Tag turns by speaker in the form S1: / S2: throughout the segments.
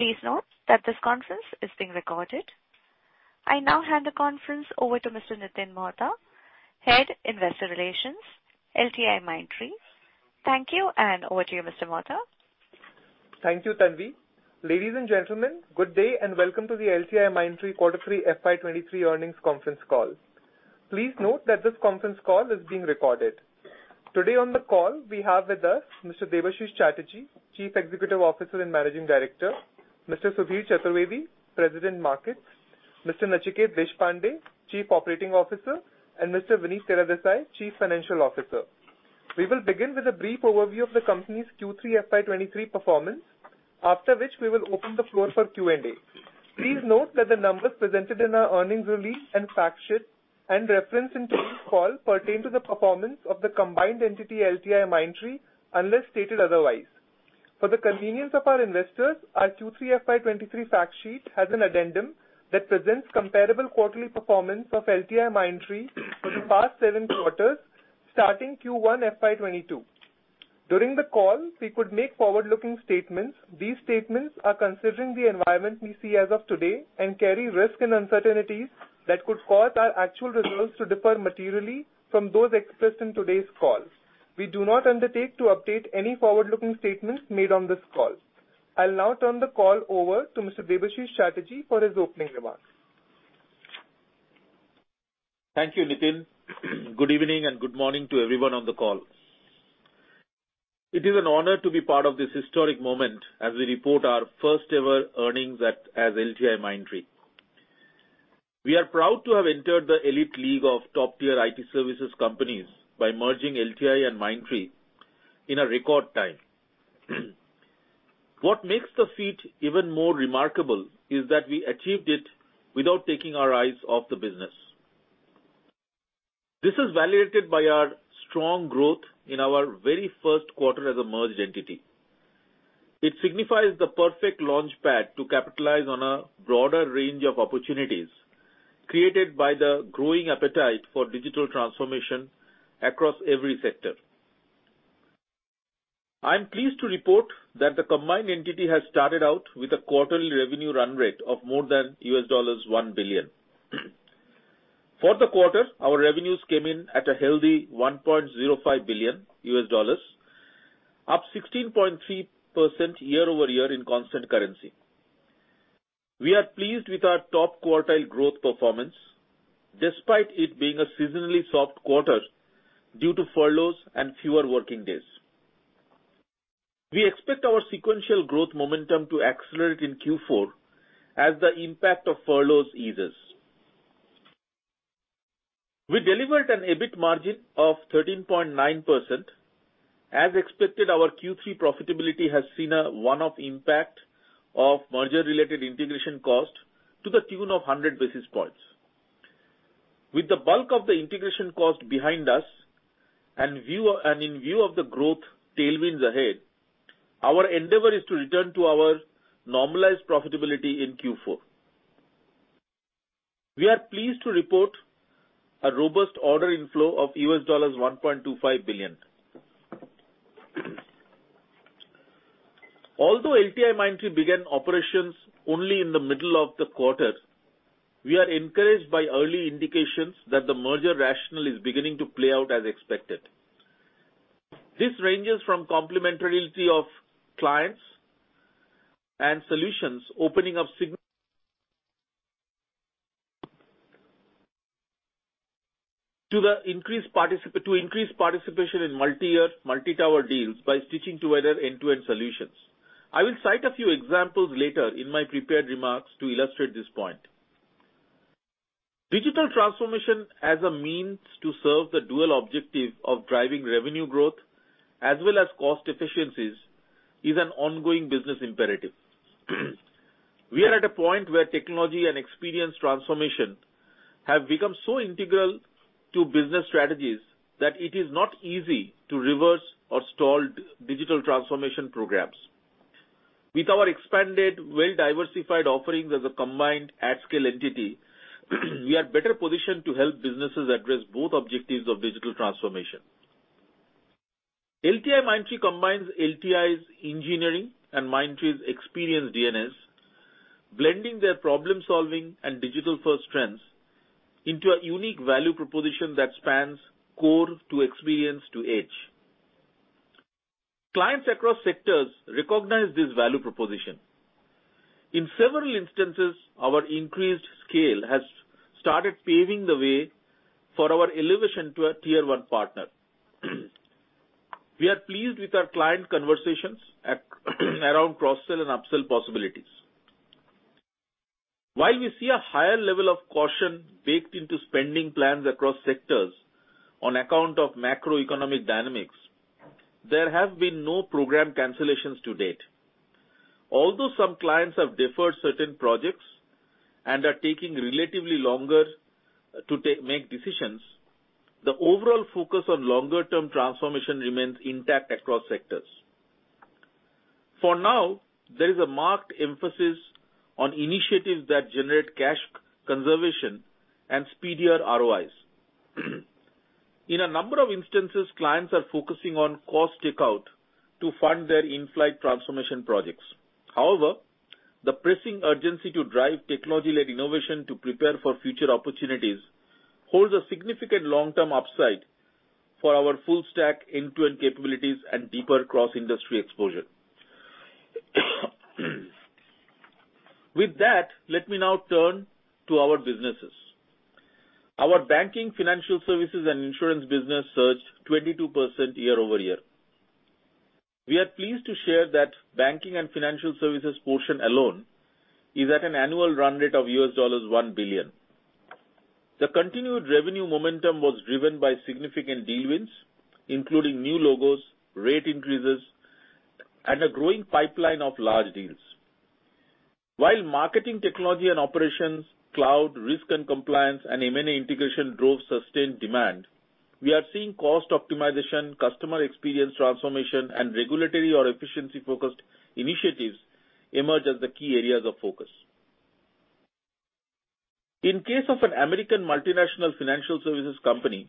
S1: Please note that this conference is being recorded. I now hand the conference over to Mr. Nitin Mohta, Head, Investor Relations, LTIMindtree. Thank you, and over to you, Mr. Mohta.
S2: Thank you, Tanvi. Ladies and gentlemen, good day and welcome to the LTIMindtree Q3 FY23 Earnings Conference Call. Please note that this Conference Call is being recorded. Today on the call, we have with us Mr. Debashis Chatterjee, Chief Executive Officer and Managing Director, Mr. Sudhir Chaturvedi, President, Markets, Mr. Nachiket Deshpande, Chief Operating Officer, and Mr. Vinit Teredesai, Chief Financial Officer. We will begin with a brief overview of the company's Q3 FY23 performance, after which we will open the floor for Q&A. Please note that the numbers presented in our earnings release and fact sheet and reference in today's call pertain to the performance of the combined entity, LTIMindtree, unless stated otherwise. For the convenience of our investors, our Q3 FY23 fact sheet has an addendum that presents comparable quarterly performance of LTIMindtree for the past seven quarters, starting Q1 FY22. During the call, we could make forward-looking statements. These statements are considering the environment we see as of today and carry risk and uncertainties that could cause our actual results to differ materially from those expressed in today's call. We do not undertake to update any forward-looking statements made on this call. I'll now turn the call over to Mr. Debashis Chatterjee for his opening remarks.
S3: Thank you, Nitin. Good evening and good morning to everyone on the call. It is an honor to be part of this historic moment as we report our first-ever earnings at, as LTIMindtree. We are proud to have entered the elite league of top-tier IT services companies by merging LTI and Mindtree in a record time. What makes the feat even more remarkable is that we achieved it without taking our eyes off the business. This is validated by our strong growth in our very Q1 as a merged entity. It signifies the perfect launch pad to capitalize on a broader range of opportunities created by the growing appetite for digital transformation across every sector. I'm pleased to report that the combined entity has started out with a quarterly revenue run rate of more than $1 billion. For the quarter, our revenues came in at a healthy $1.05 billion, up 16.3% year-over-year in constant currency. We are pleased with our top-quartile growth performance, despite it being a seasonally soft quarter due to furloughs and fewer working-days. We expect our sequential growth momentum to accelerate in Q4 as the impact of furloughs eases. We delivered an EBIT margin of 13.9%. As expected, our Q3 profitability has seen a one-off impact of merger-related integration cost to the tune of 100 basis points. With the bulk of the integration cost behind us and in view of the growth tailwinds ahead, our endeavor is to return to our normalized profitability in Q4. We are pleased to report a robust order inflow of $1.25 billion. Although LTIMindtree began operations only in the middle of the quarter, we are encouraged by early indications that the merger rationale is beginning to play out as expected. This ranges from complementarity of clients and solutions, opening up to increase participation in multi-year, multi-tower deals by stitching together end-to-end solutions. I will cite a few examples later in my prepared remarks to illustrate this point. Digital transformation as a means to serve the dual objective of driving revenue growth as well as cost efficiencies is an ongoing business imperative. We are at a point where technology and experience transformation have become so integral to business strategies that it is not easy to reverse or stall digital transformation programs. With our expanded, well-diversified offerings as a combined at-scale entity, we are better positioned to help businesses address both objectives of digital transformation. LTIMindtree combines LTI's engineering and Mindtree's experience DNAs, blending their problem-solving and digital-first strengths into a unique value proposition that spans core to experience to edge. Clients across sectors recognize this value proposition. In several instances, our increased scale has started paving the way for our elevation to a tier one partner. We are pleased with our client conversations around cross-sell and upsell possibilities. While we see a higher level of caution baked into spending plans across sectors on account of macroeconomic dynamics, there have been no program cancellations to date. Although some clients have deferred certain projects and are taking relatively longer to make decisions, the overall focus on longer-term transformation remains intact across sectors. For now, there is a marked emphasis on initiatives that generate cash conservation and speedier ROIs. In a number of instances, clients are focusing on cost-takeout to fund their in-flight transformation projects. The pressing urgency to drive technology-led innovation to prepare for future opportunities holds a significant long-term upside for our full-stack end-to-end capabilities and deeper cross-industry exposure. With that, let me now turn to our businesses. Our banking, financial services, and insurance business surged 22% year-over-year. We are pleased to share that banking and financial services portion alone is at an annual run rate of $1 billion. The continued revenue momentum was driven by significant deal wins, including new logos, rate increases, and a growing pipeline of large deals. While marketing technology and operations, cloud, risk and compliance, and M&A integration drove sustained demand, we are seeing cost optimization, customer experience transformation, and regulatory or efficiency-focused initiatives emerge as the key areas of focus. In case of an American multinational financial services company,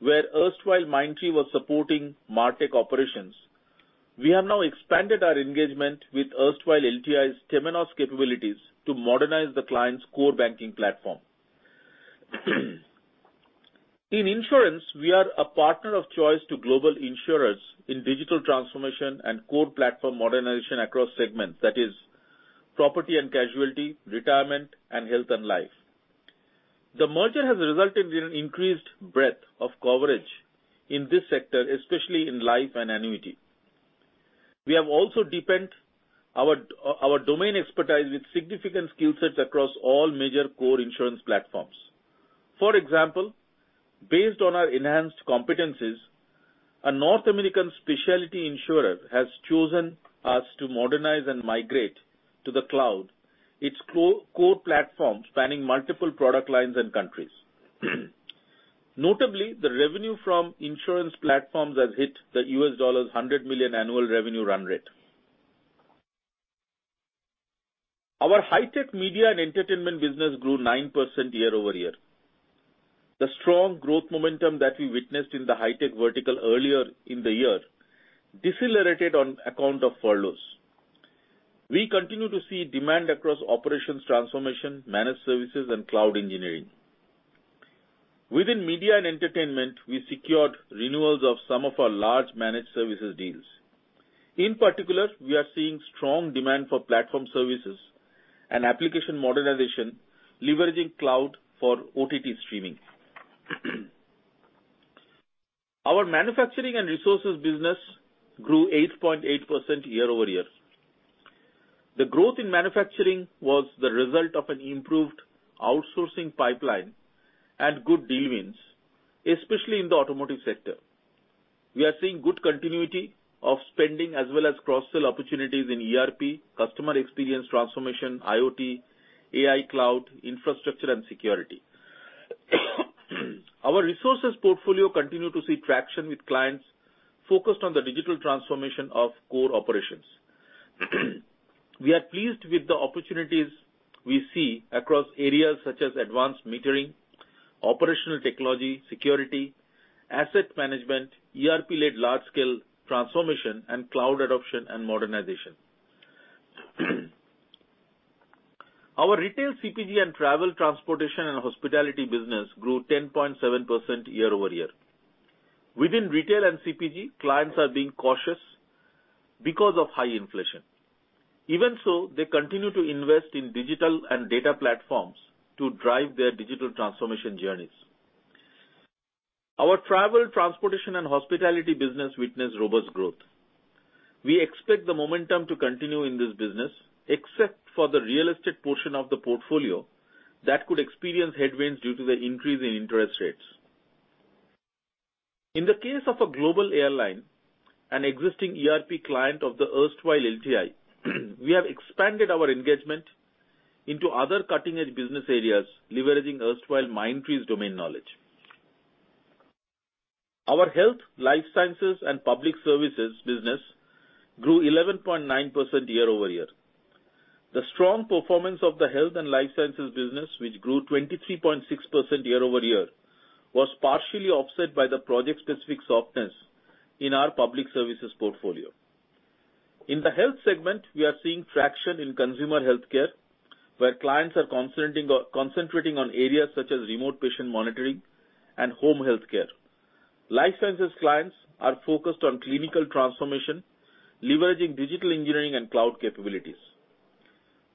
S3: where erstwhile Mindtree was supporting MarTech operations, we have now expanded our engagement with erstwhile LTI's Temenos capabilities to modernize the client's core banking platform. In insurance, we are a partner of choice to global insurers in digital transformation and core platform modernization across segments, that is property and casualty, retirement, and health and life. The merger has resulted in an increased breadth of coverage in this sector, especially in life and annuity. We have also deepened our domain expertise with significant skill sets across all major core insurance platforms. For example, based on our enhanced competencies, a North American specialty insurer has chosen us to modernize and migrate to the cloud its core platform spanning multiple product lines and countries. Notably, the revenue from insurance platforms has hit the $100 million annual revenue run rate. Our high-tech media and entertainment business grew 9% year-over-year. The strong growth momentum that we witnessed in the high-tech vertical earlier in the year decelerated on account of furloughs. We continue to see demand across operations transformation, managed services, and cloud engineering. Within media and entertainment, we secured renewals of some of our large managed services deals. In particular, we are seeing strong demand for platform services and application modernization, leveraging cloud for OTT streaming. Our manufacturing and resources business grew 8.8% year-over-year. The growth in manufacturing was the result of an improved outsourcing pipeline and good deal wins, especially in the automotive sector. We are seeing good continuity of spending as well as cross-sell opportunities in ERP, customer experience transformation, IoT, AI cloud, infrastructure, and security. Our resources portfolio continue to see traction with clients focused on the digital transformation of core operations. We are pleased with the opportunities we see across areas such as advanced metering, operational technology, security, asset management, ERP-led large-scale transformation, and cloud adoption and modernization. Our retail CPG and travel, transportation, and hospitality business grew 10.7% year-over-year. Within retail and CPG, clients are being cautious because of high inflation. Even so, they continue to invest in digital and data platforms to drive their digital transformation journeys. Our travel, transportation, and hospitality business witnessed robust growth. We expect the momentum to continue in this business, except for the real estate portion of the portfolio that could experience headwinds due to the increase in interest rates. In the case of a global airline, an existing ERP client of the erstwhile LTI, we have expanded our engagement into other cutting-edge business areas leveraging erstwhile Mindtree's domain knowledge. Our health, life sciences, and public services business grew 11.9% year-over-year. The strong performance of the health and life sciences business, which grew 23.6% year-over-year, was partially offset by the project-specific softness in our public services portfolio. In the health segment, we are seeing traction in consumer healthcare, where clients are concentrating on areas such as remote patient monitoring and home healthcare. Life sciences clients are focused on clinical transformation, leveraging digital engineering and cloud capabilities.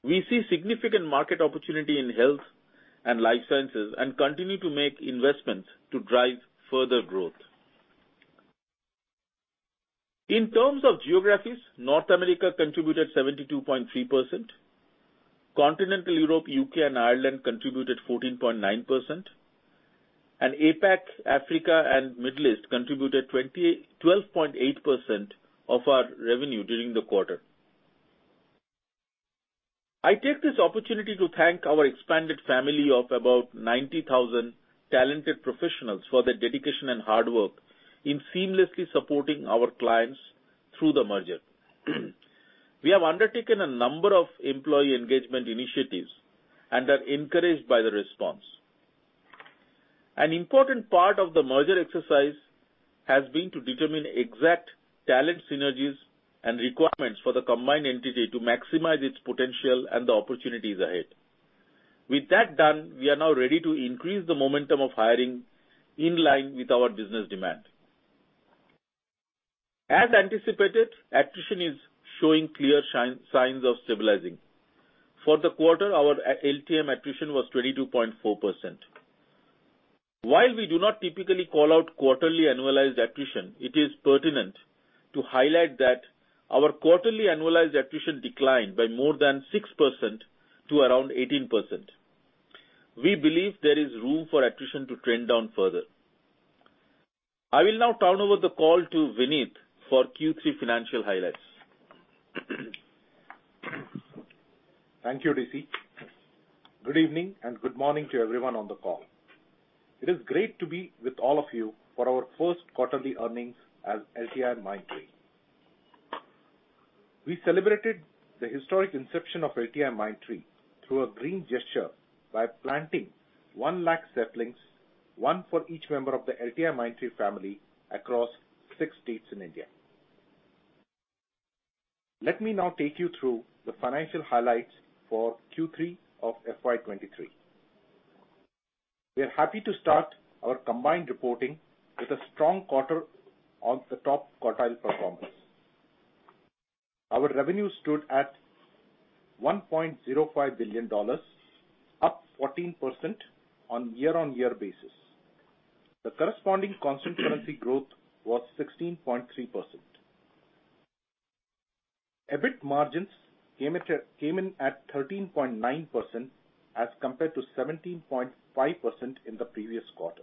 S3: We see significant market opportunity in health and life sciences and continue to make investments to drive further growth. In terms of geographies, North America contributed 72.3%, Continental Europe, UK, and Ireland contributed 14.9%, and APAC, Africa, and Middle East contributed 12.8% of our revenue during the quarter. I take this opportunity to thank our expanded family of about 90,000 talented professionals for their dedication and hard work in seamlessly supporting our clients through the merger. We have undertaken a number of employee engagement initiatives and are encouraged by the response. An important part of the merger exercise has been to determine exact talent synergies and requirements for the combined entity to maximize its potential and the opportunities ahead. With that done, we are now ready to increase the momentum of hiring in line with our business demand. As anticipated, attrition is showing clear signs of stabilizing. For the quarter, our LTM attrition was 22.4%. While we do not typically call out quarterly annualized attrition, it is pertinent to highlight that our quarterly annualized attrition declined by more than 6% to around 18%. We believe there is room for attrition to trend down further. I will now turn over the call to Vinit for Q3 financial highlights.
S4: Thank you, DC. Good evening and good morning to everyone on the call. It is great to be with all of you for our Q1ly earnings as LTIMindtree. We celebrated the historic inception of LTIMindtree through a green gesture by planting 1 lakh saplings, one for each member of the LTIMindtree family across six states in India. Let me now take you through the financial highlights for Q3 of FY 2023. We are happy to start our combined reporting with a strong quarter of the top quartile performance. Our revenue stood at $1.05 billion, up 14% on a year-on-year basis. The corresponding constant currency growth was 16.3%. EBIT margins came in at 13.9% as compared to 17.5% in the previous quarter.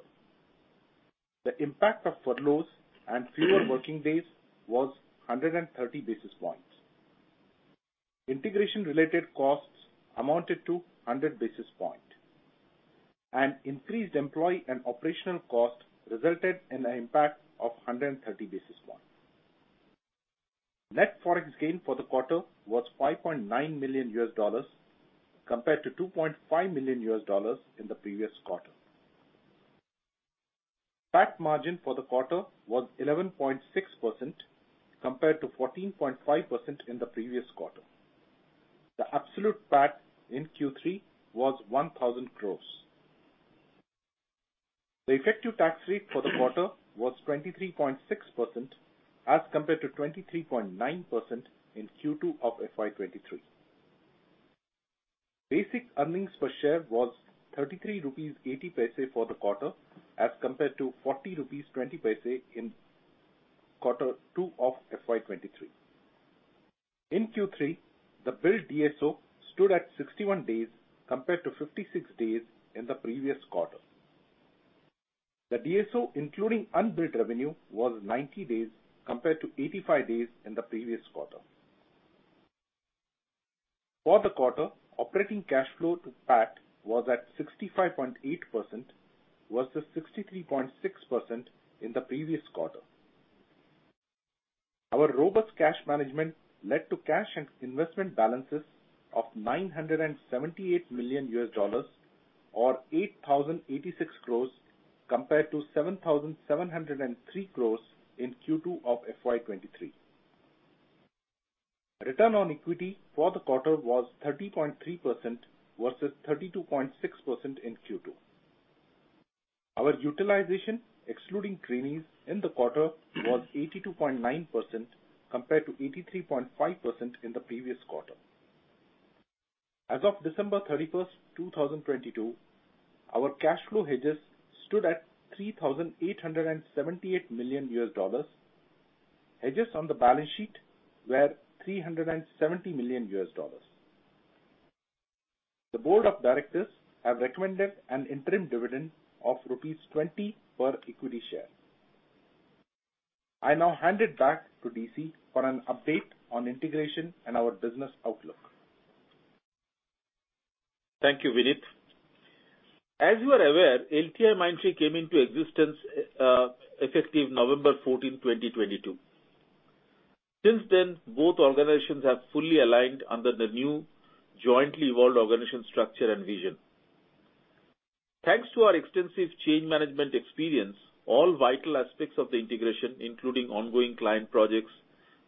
S4: The impact of furloughs and fewer working-days was 130 basis points. Integration-related costs amounted to 100 basis point, and increased employee and operational costs resulted in an impact of 130 basis point. Net Forex gain for the quarter was $5.9 million compared to $2.5 million in the previous quarter. PAT margin for the quarter was 11.6% compared to 14.5% in the previous quarter. The absolute PAT in Q3 was 1,000 crores. The effective tax rate for the quarter was 23.6% as compared to 23.9% in Q2 of FY 2023. Basic earnings per share was 33.80 rupees for the quarter as compared to 40.20 rupees in Q2 of FY 2023. In Q3, the billed DSO stood at 61 days compared to 56 days in the previous quarter. The DSO, including unbilled revenue, was 90 days compared to 85 days in the previous quarter. For the quarter, operating cash flow to PAT was at 65.8% versus 63.6% in the previous quarter. Our robust cash management led to cash and investment balances of $978 million or 8,086 crores compared to 7,703 crores in Q2 of FY 2023. Return on equity for the quarter was 30.3% versus 32.6% in Q2. Our utilization, excluding trainees in the quarter, was 82.9% compared to 83.5% in the previous quarter. As of December 31st, 2022, our cash flow hedges stood at $3,878 million. Hedges on the balance sheet were $370 million. The board of directors have recommended an interim dividend of 20 rupees per equity share. I now hand it back to DC for an update on integration and our business outlook.
S3: Thank you, Vinit. As you are aware, LTIMindtree came into existence, effective November 14th, 2022. Since then, both organizations have fully aligned under the new jointly evolved organization structure and vision. Thanks to our extensive change management experience, all vital aspects of the integration, including ongoing client projects,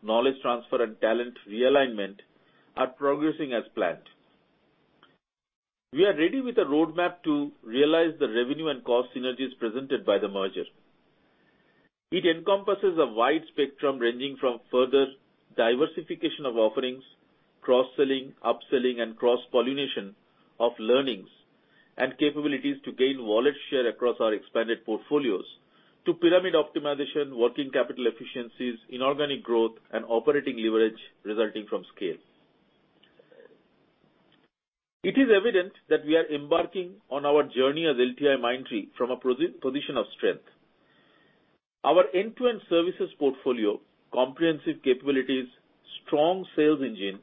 S3: knowledge transfer, and talent realignment, are progressing as planned. We are ready with a roadmap to realize the revenue and cost synergies presented by the merger. It encompasses a wide spectrum ranging from further diversification of offerings, cross-selling, upselling, and cross-pollination of learnings and capabilities to gain wallet share across our expanded portfolios to pyramid optimization, working capital efficiencies, inorganic growth, and operating leverage resulting from scale. It is evident that we are embarking on our journey as LTIMindtree from a position of strength. Our end-to-end services portfolio, comprehensive capabilities, strong sales engine,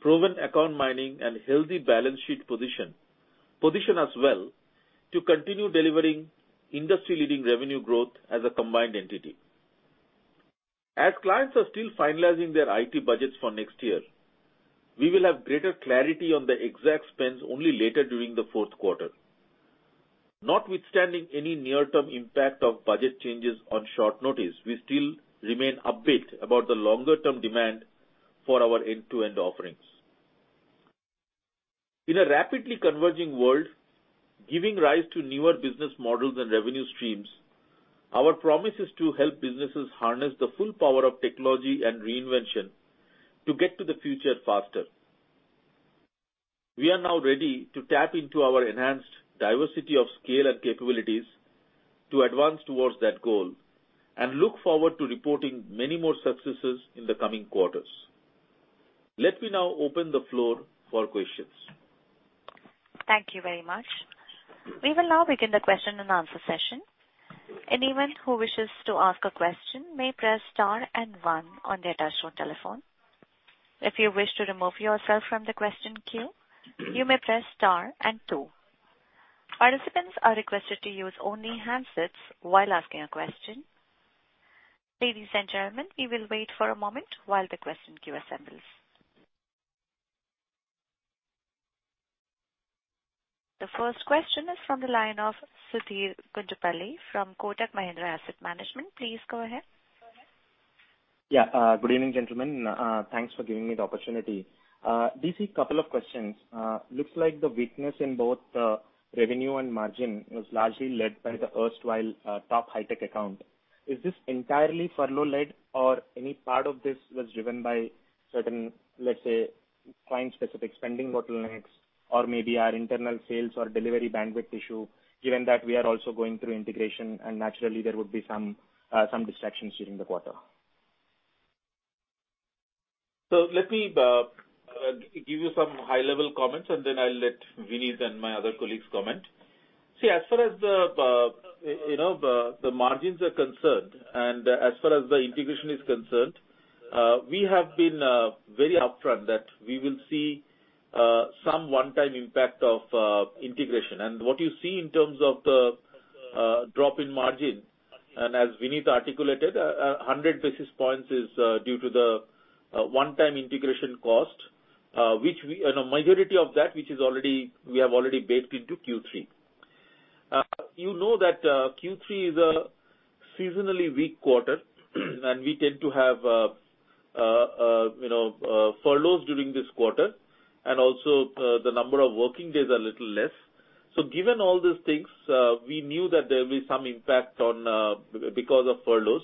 S3: proven account mining and healthy balance sheet position us well to continue delivering industry-leading revenue growth as a combined entity. As clients are still finalizing their IT budgets for next year, we will have greater clarity on the exact spends only later during the Q4. Notwithstanding any near-term impact of budget changes on short notice, we still remain upbeat about the longer-term demand for our end-to-end offerings. In a rapidly converging world, giving rise to newer business models and revenue streams, our promise is to help businesses harness the full power of technology and reinvention to get to the future faster. We are now ready to tap into our enhanced diversity of scale and capabilities to advance towards that goal, and look forward to reporting many more successes in the coming quarters. Let me now open the floor for questions.
S1: Thank you very much. We will now begin the question-and-answer session. Anyone who wishes to ask a question may press star and one on their touch-tone telephone. If you wish to remove yourself from the question queue, you may press star and two. Participants are requested to use only handsets while asking a question. Ladies and gentlemen, we will wait for a moment while the question queue assembles. The first question is from the line of Sudheer Guntupalli from Kotak Mahindra Asset Management. Please go ahead.
S5: Good evening, gentlemen. Thanks for giving me the opportunity. DC, couple of questions. Looks like the weakness in both, revenue and margin was largely led by the erstwhile, top high-tech account. Is this entirely furlough-led or any part of this was driven by certain, let's say, client-specific spending bottlenecks, or maybe our internal sales or delivery bandwidth issue, given that we are also going through integration and naturally there would be some distractions during the quarter?
S3: Let me give you some high-level comments, and then I'll let Vineet and my other colleagues comment. As far as the, you know, the margins are concerned, and as far as the integration is concerned, we have been very upfront that we will see some one-time impact of integration. What you see in terms of the drop in margin, and as Vineet articulated, 100 basis points is due to the one-time integration cost we have already baked into Q3. You know that Q3 is a seasonally weak quarter, and we tend to have, you know, furloughs during this quarter, and also the number of working-days are little less. Given all these things, we knew that there will be some impact on because of furloughs.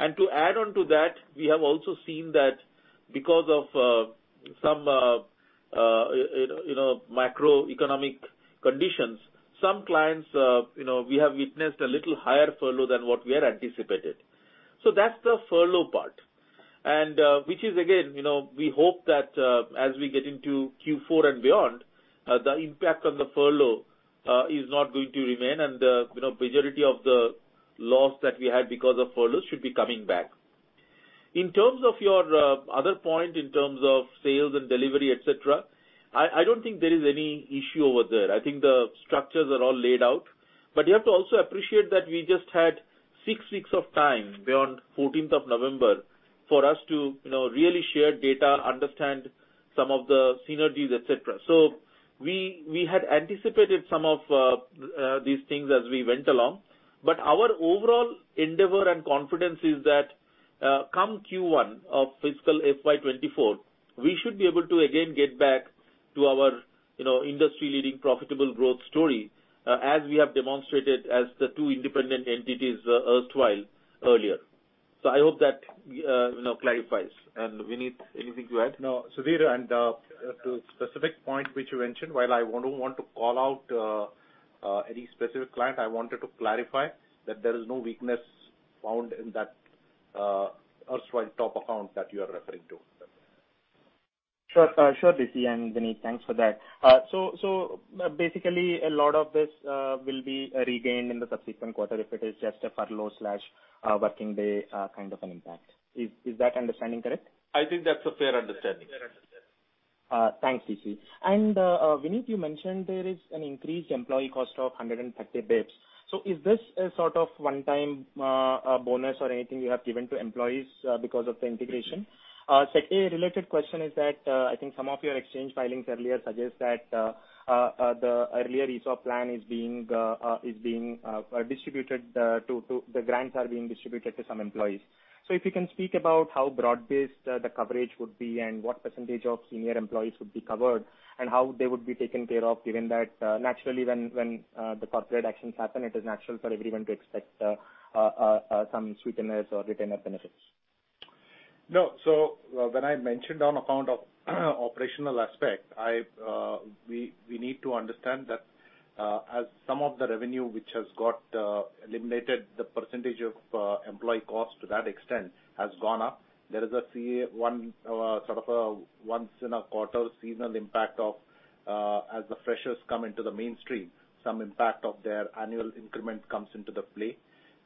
S3: To add on to that, we have also seen that because of some, you know, macroeconomic conditions, some clients, you know, we have witnessed a little higher furlough than what we had anticipated. That's the furlough part. Which is again, you know, we hope that as we get into Q4 and beyond, the impact on the furlough is not going to remain and, you know, majority of the loss that we had because of furloughs should be coming back. In terms of your other point in terms of sales and delivery, et cetera, I don't think there is any issue over there. I think the structures are all laid out. You have to also appreciate that we just had 6 weeks of time beyond November 14th for us to, you know, really share data, understand some of the synergies, et cetera. We had anticipated some of these things as we went along. Our overall endeavor and confidence is that, come Q1 of fiscal FY 2024, we should be able to again get back to our, you know, industry-leading profitable growth story, as we have demonstrated as the two independent entities, erstwhile earlier. I hope that, you know, clarifies. Vinit, anything to add?
S4: No. Sudhir, to specific point which you mentioned, while I wouldn't want to call out any specific client, I wanted to clarify that there is no weakness found in that erstwhile top account that you are referring to.
S5: Sure. Sure, DC and Vineet, thanks for that. Basically, a lot of this will be regained in the subsequent quarter if it is just a furlough/working-day kind of an impact. Is that understanding correct?
S3: I think that's a fair understanding.
S5: Thanks, DC. Vineet, you mentioned there is an increased employee cost of 130 basis points. Is this a sort of one-time bonus or anything you have given to employees because of the integration? Second, a related question is that I think some of your exchange filings earlier suggest that the earlier ESOP plan is being distributed to some employees. If you can speak about how broad-based the coverage would be and what % of senior employees would be covered, and how they would be taken care of, given that naturally when the corporate actions happen, it is natural for everyone to expect some sweeteners or retainer benefits.
S4: No. When I mentioned on account of operational aspect, I, we need to understand that, as some of the revenue which has got eliminated, the percentage of employee cost to that extent has gone up. There is a CA one, sort of a once-in-a-quarter seasonal impact of As the freshers come into the mainstream, some impact of their annual increment comes into the play.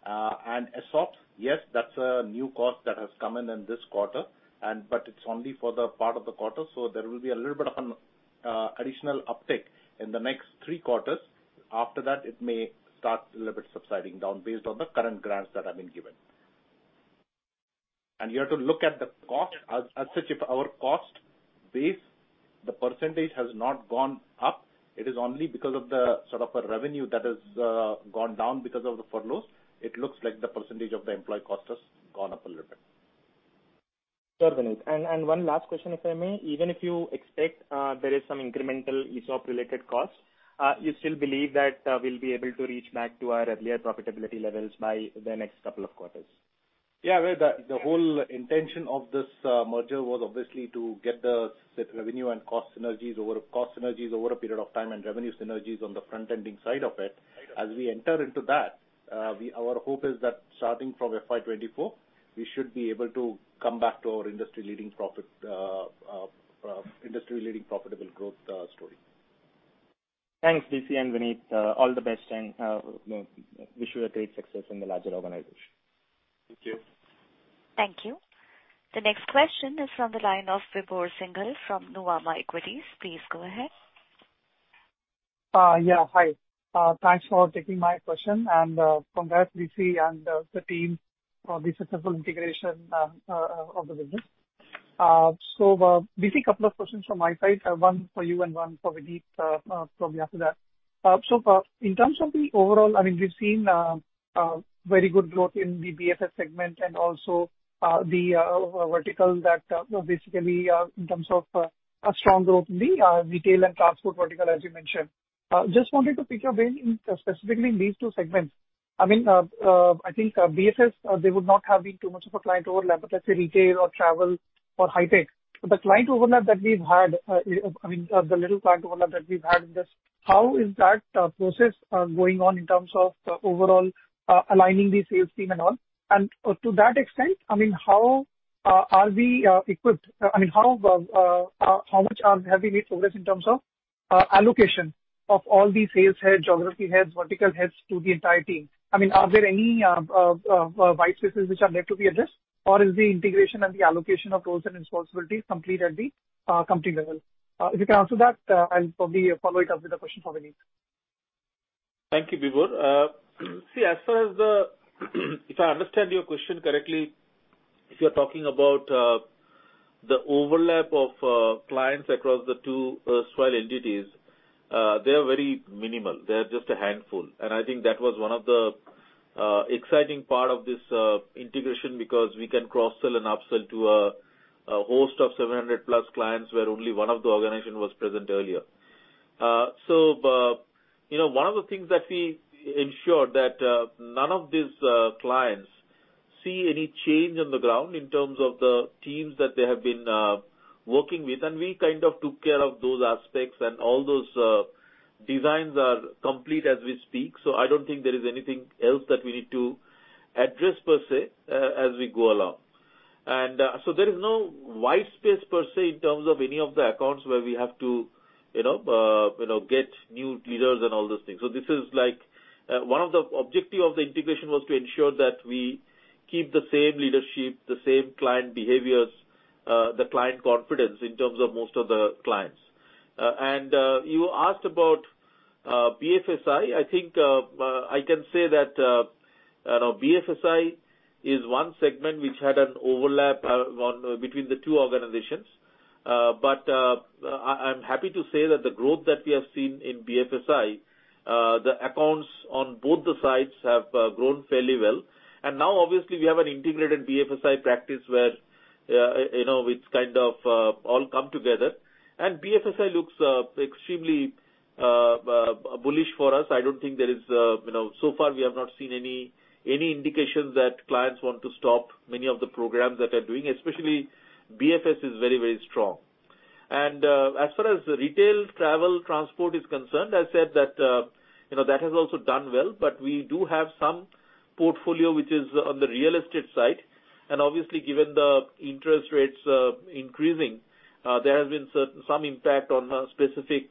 S4: ESOP, yes, that's a new cost that has come in in this quarter and but it's only for the part of the quarter, so there will be a little bit of additional uptick in the next three quarters. After that, it may start a little bit subsiding down based on the current grants that have been given. You have to look at the cost. As such, if our cost base, the % has not gone up, it is only because of the sort of a revenue that has gone down because of the furloughs. It looks like the % of the employee cost has gone up a little bit.
S5: Sure, Vineet. One last question if I may? Even if you expect, there is some incremental ESOP-related costs, you still believe that, we'll be able to reach back to our earlier profitability levels by the next couple of quarters?
S3: Well, the whole intention of this merger was obviously to get the revenue and cost synergies over a period of time and revenue synergies on the front-ending side of it.
S5: Right.
S3: As we enter into that, our hope is that starting from FY 2024, we should be able to come back to our industry-leading profit, industry-leading profitable growth, story.
S5: Thanks, DC and Vineet. All the best, and, you know, wish you a great success in the larger organization.
S3: Thank you.
S1: Thank you. The next question is from the line of Vibhor Singhal from Nuvama Equity. Please go ahead.
S6: Yeah. Hi. Thanks for taking my question, and congrats DC and the team for the successful integration of the business. DC, couple of questions from my side. One for you and one for Vineet, probably after that. In terms of the overall, I mean, we've seen very good growth in the BFS segment and also the vertical that basically in terms of a strong growth in the retail and transport vertical as you mentioned. Just wanted to pick your brain in, specifically in these two segments. I mean, I think BFS, they would not have been too much of a client overlap, but let's say retail or travel or high tech. The client overlap that we've had, I mean, the little client overlap that we've had in this, how is that process going on in terms of the overall aligning the sales team and all? To that extent, I mean, how are we equipped? I mean, how much have we made progress in terms of allocation of all the sales head, geography heads, vertical heads to the entire team? I mean, are there any white spaces which are yet to be addressed? Or is the integration and the allocation of roles and responsibilities complete at the company level? If you can answer that, I'll probably follow it up with a question for Vineet.
S3: Thank you, Vibhor. See, if I understand your question correctly, if you're talking about the overlap of clients across the two erstwhile entities, they are very minimal. They are just a handful. I think that was one of the exciting part of this integration because we can cross-sell and upsell to a host of 700 plus clients, where only one of the organization was present earlier. You know, one of the things that we ensured that none of these clients see any change on the ground in terms of the teams that they have been working with, and we kind of took care of those aspects and all those designs are complete as we speak. I don't think there is anything else that we need to address per se as we go along. There is no wide space per se in terms of any of the accounts where we have to, you know, you know, get new leaders and all those things. This is like, one of the objective of the integration was to ensure that we keep the same leadership, the same client behaviors, the client confidence in terms of most of the clients. You asked about BFSI. I think, I can say that, you know, BFSI is one segment which had an overlap, on between the two organizations. I'm happy to say that the growth that we have seen in BFSI, the accounts on both the sides have grown fairly well. Now obviously we have an integrated BFSI practice where, you know, it's kind of all come together. BFSI looks extremely bullish for us. I don't think there is, you know, so far we have not seen any indications that clients want to stop many of the programs that are doing, especially BFS is very strong. As far as the retail, travel, transport is concerned, I said that, you know, that has also done well, but we do have some portfolio which is on the real estate side. Obviously, given the interest rates, increasing, there has been some impact on a specific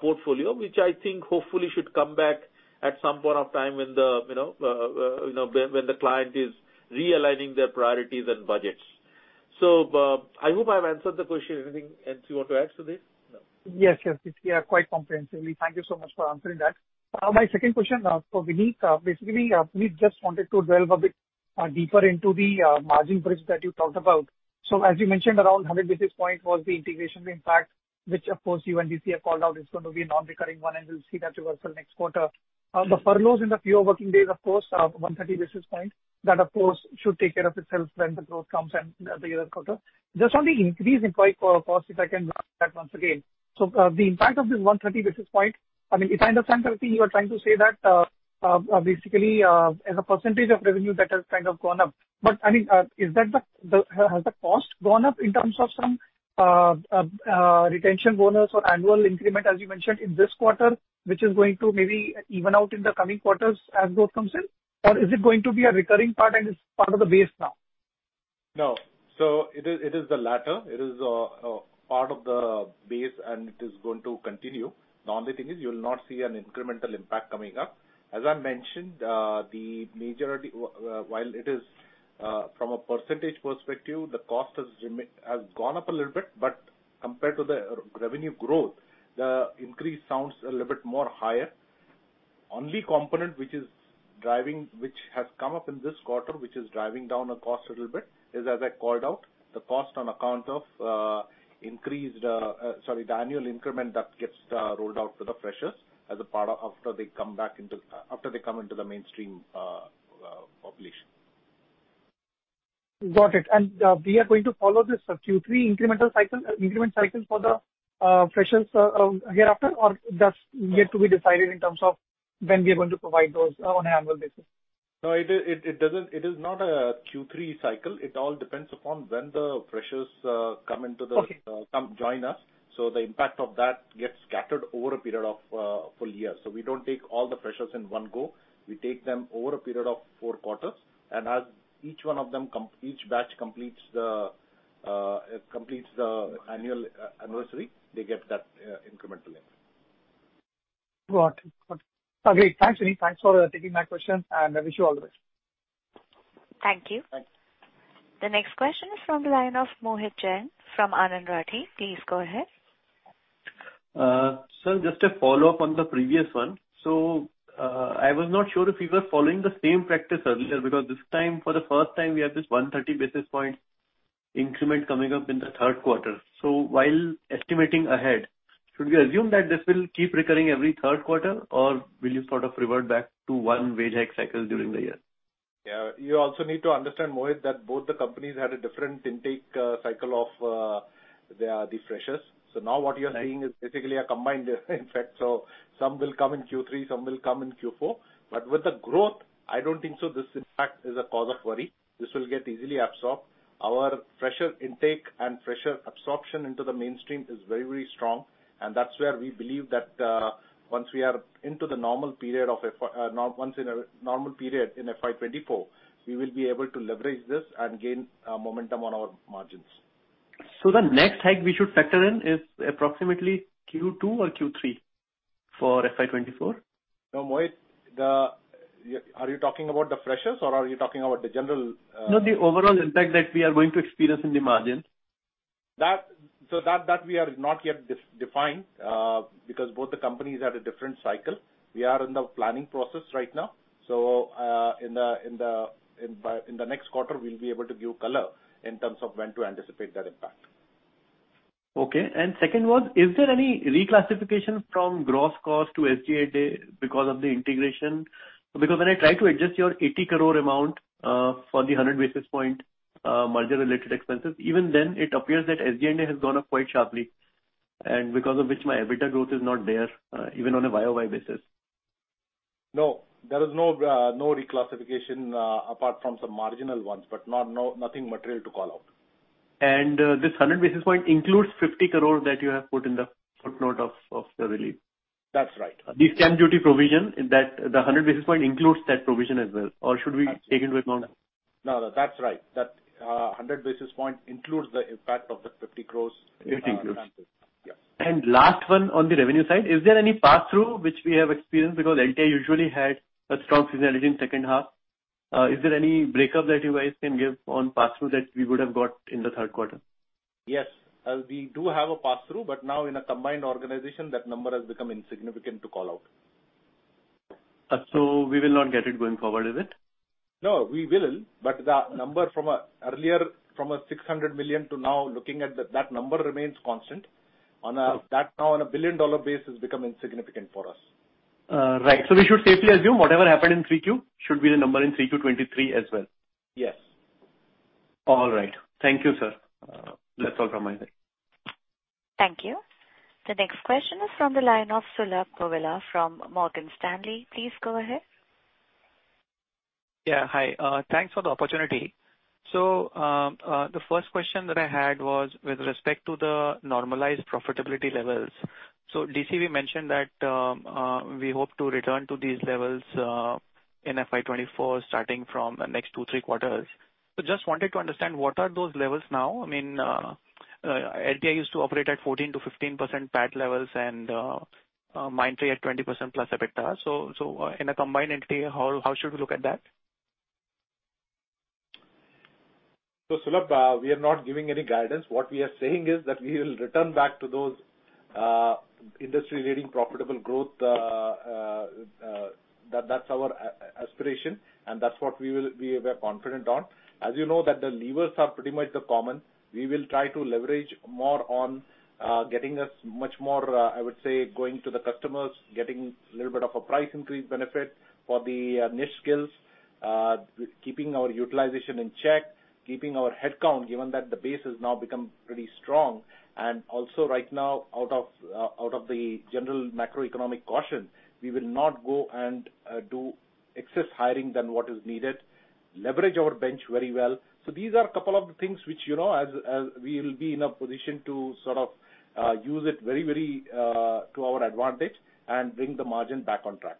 S3: portfolio, which I think hopefully should come back at some point of time when the, you know, you know, when the client is realigning their priorities and budgets. I hope I've answered the question. Anything else you want to add to this? No.
S6: Yes, yes. Yes, we are quite comprehensively. Thank you so much for answering that. My second question for Vineet. Basically, we just wanted to delve a bit deeper into the margin bridge that you talked about. As you mentioned, around 100 basis point was the integration impact, which of course you and DC have called out is gonna be a non-recurring one, and we'll see that reversal next quarter. The furloughs in the fewer working-days, of course, 130 basis point. That of course should take care of itself when the growth comes in the other quarter. Just on the increase in employee co-cost, if I can run that once again. The impact of this 130 basis points, I mean, if I understand correctly, you are trying to say that, basically, as a percentage of revenue that has kind of gone up. I mean, is that the... Has the cost gone up in terms of some retention bonus or annual increment, as you mentioned in this quarter, which is going to maybe even out in the coming quarters as growth comes in? Or is it going to be a recurring part and is part of the base now?
S4: No. It is, it is the latter. It is part of the base, and it is going to continue. The only thing is you'll not see an incremental impact coming up. As I mentioned, the majority, while it is, from a percentage perspective, the cost has gone up a little bit, but compared to the revenue growth, the increase sounds a little bit higher. Only component which is driving, which has come up in this quarter, which is driving down the cost a little bit is, as I called out, the cost on account of increased, sorry, the annual increment that gets rolled out to the freshers as a part of after they come into the mainstream population.
S6: Got it. We are going to follow this Q3 incremental cycle, increment cycle for the freshers, hereafter? That's yet to be decided in terms of when we are going to provide those on an annual basis?
S4: No, it doesn't. It is not a Q3 cycle. It all depends upon when the freshers come into the.
S6: Okay.
S4: come join us. The impact of that gets scattered over a period of full year. We don't take all the freshers in one go. We take them over a period of 4 quarters. As each one of them each batch completes the annual anniversary, they get that incremental impact.
S6: Got it. Okay, thanks, Vinit. Thanks for taking my question, and I wish you all the best.
S1: Thank you. The next question is from the line of Mohit Jain from Anand Rathi. Please go ahead.
S7: Just a follow-up on the previous one. I was not sure if you were following the same practice earlier, because this time, for the first time, we have this 130 basis point increment coming up in the Q3. While estimating ahead, should we assume that this will keep recurring every Q3, or will you sort of revert back to 1 wage hike cycle during the year?
S4: Yeah. You also need to understand, Mohit, that both the companies had a different intake cycle of freshers. Now what you're seeing is basically a combined effect. Some will come in Q3, some will come in Q4. With the growth, I don't think so this impact is a cause of worry. This will get easily absorbed. Our fresher intake and fresher absorption into the mainstream is very, very strong, and that's where we believe that once we are into the normal period of once in a normal period in FY 2024, we will be able to leverage this and gain momentum on our margins.
S7: The next hike we should factor in is approximately Q2 or Q3 for FY 2024?
S4: No, Mohit, the, are you talking about the freshers or are you talking about the general?
S7: No, the overall impact that we are going to experience in the margins.
S4: That, so that we are not yet defined because both the companies are at a different cycle. We are in the planning process right now. In the next quarter, we'll be able to give color in terms of when to anticipate that impact.
S7: Okay. Second was, is there any reclassification from gross cost to SG&A because of the integration? Because when I try to adjust your 80 crore amount, for the 100 basis points, merger-related expenses, even then it appears that SG&A has gone up quite sharply, and because of which my EBITDA growth is not there, even on a year-over-year basis.
S4: No, there is no reclassification, apart from some marginal ones, but nothing material to call out.
S7: This 100 basis point includes 50 crore that you have put in the footnote of the release?
S4: That's right.
S7: This stamp duty provision, the 100 basis point includes that provision as well? Or should we take into account-
S4: No, no, that's right. That 100 basis points includes the impact of the 50 crores-
S7: INR 50 crores.
S4: stamp duty. Yeah.
S7: Last one on the revenue side. Is there any pass-through which we have experienced? LTI usually had a strong seasonality in second half. Is there any breakup that you guys can give on pass-through that we would have got in the Q3?
S4: Yes. We do have a pass-through, but now in a combined organization, that number has become insignificant to call out.
S7: We will not get it going forward, is it?
S4: We will. The number from earlier, from $600 million to now looking at that number remains constant.
S7: Okay.
S4: that now on a billion-dollar base has become insignificant for us.
S7: Right. We should safely assume whatever happened in 3Q should be the number in 3Q 2023 as well?
S4: Yes.
S7: All right. Thank you, sir. That's all from my side.
S1: Thank you. The next question is from the line of Saurabh Goela from Morgan Stanley. Please go ahead.
S8: Hi. Thanks for the opportunity. The first question that I had was with respect to the normalized profitability levels. DC mentioned that we hope to return to these levels in FY 2024, starting from the next 2, 3 quarters. Just wanted to understand what are those levels now? I mean, LTI used to operate at 14%-15% PAT levels and Mindtree at 20%+ EBITDA. In a combined LTI, how should we look at that?
S4: Saurabh, we are not giving any guidance. What we are saying is that we will return back to those industry-leading profitable growth, that's our aspiration, and that's what we are confident on. As you know that the levers are pretty much the common. We will try to leverage more on getting us much more, I would say, going to the customers, getting little bit of a price increase benefit for the niche skills, keeping our utilization in check, keeping our headcount, given that the base has now become pretty strong. Right now, out of out of the general macroeconomic caution, we will not go and do excess hiring than what is needed, leverage our bench very well. These are a couple of the things which, you know, as we will be in a position to sort of, use it very, very, to our advantage and bring the margin back on track.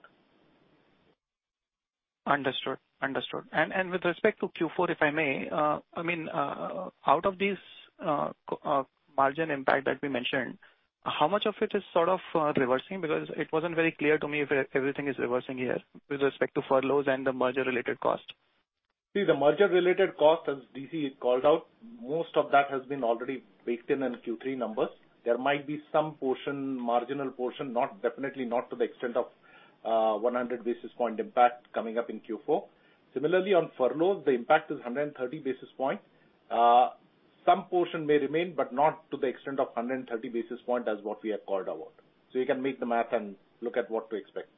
S8: Understood. Understood. With respect to Q four, if I may, I mean, out of these margin impact that we mentioned, how much of it is sort of reversing? Because it wasn't very clear to me if everything is reversing here with respect to furloughs and the merger-related costs.
S3: The merger-related cost, as DC had called out, most of that has been already baked in Q3 numbers. There might be some portion, marginal portion, not, definitely not to the extent of 100 basis point impact coming up in Q4. Similarly, on furloughs, the impact is 130 basis points. Some portion may remain, but not to the extent of 130 basis point as what we have called out. You can make the math and look at what to expect.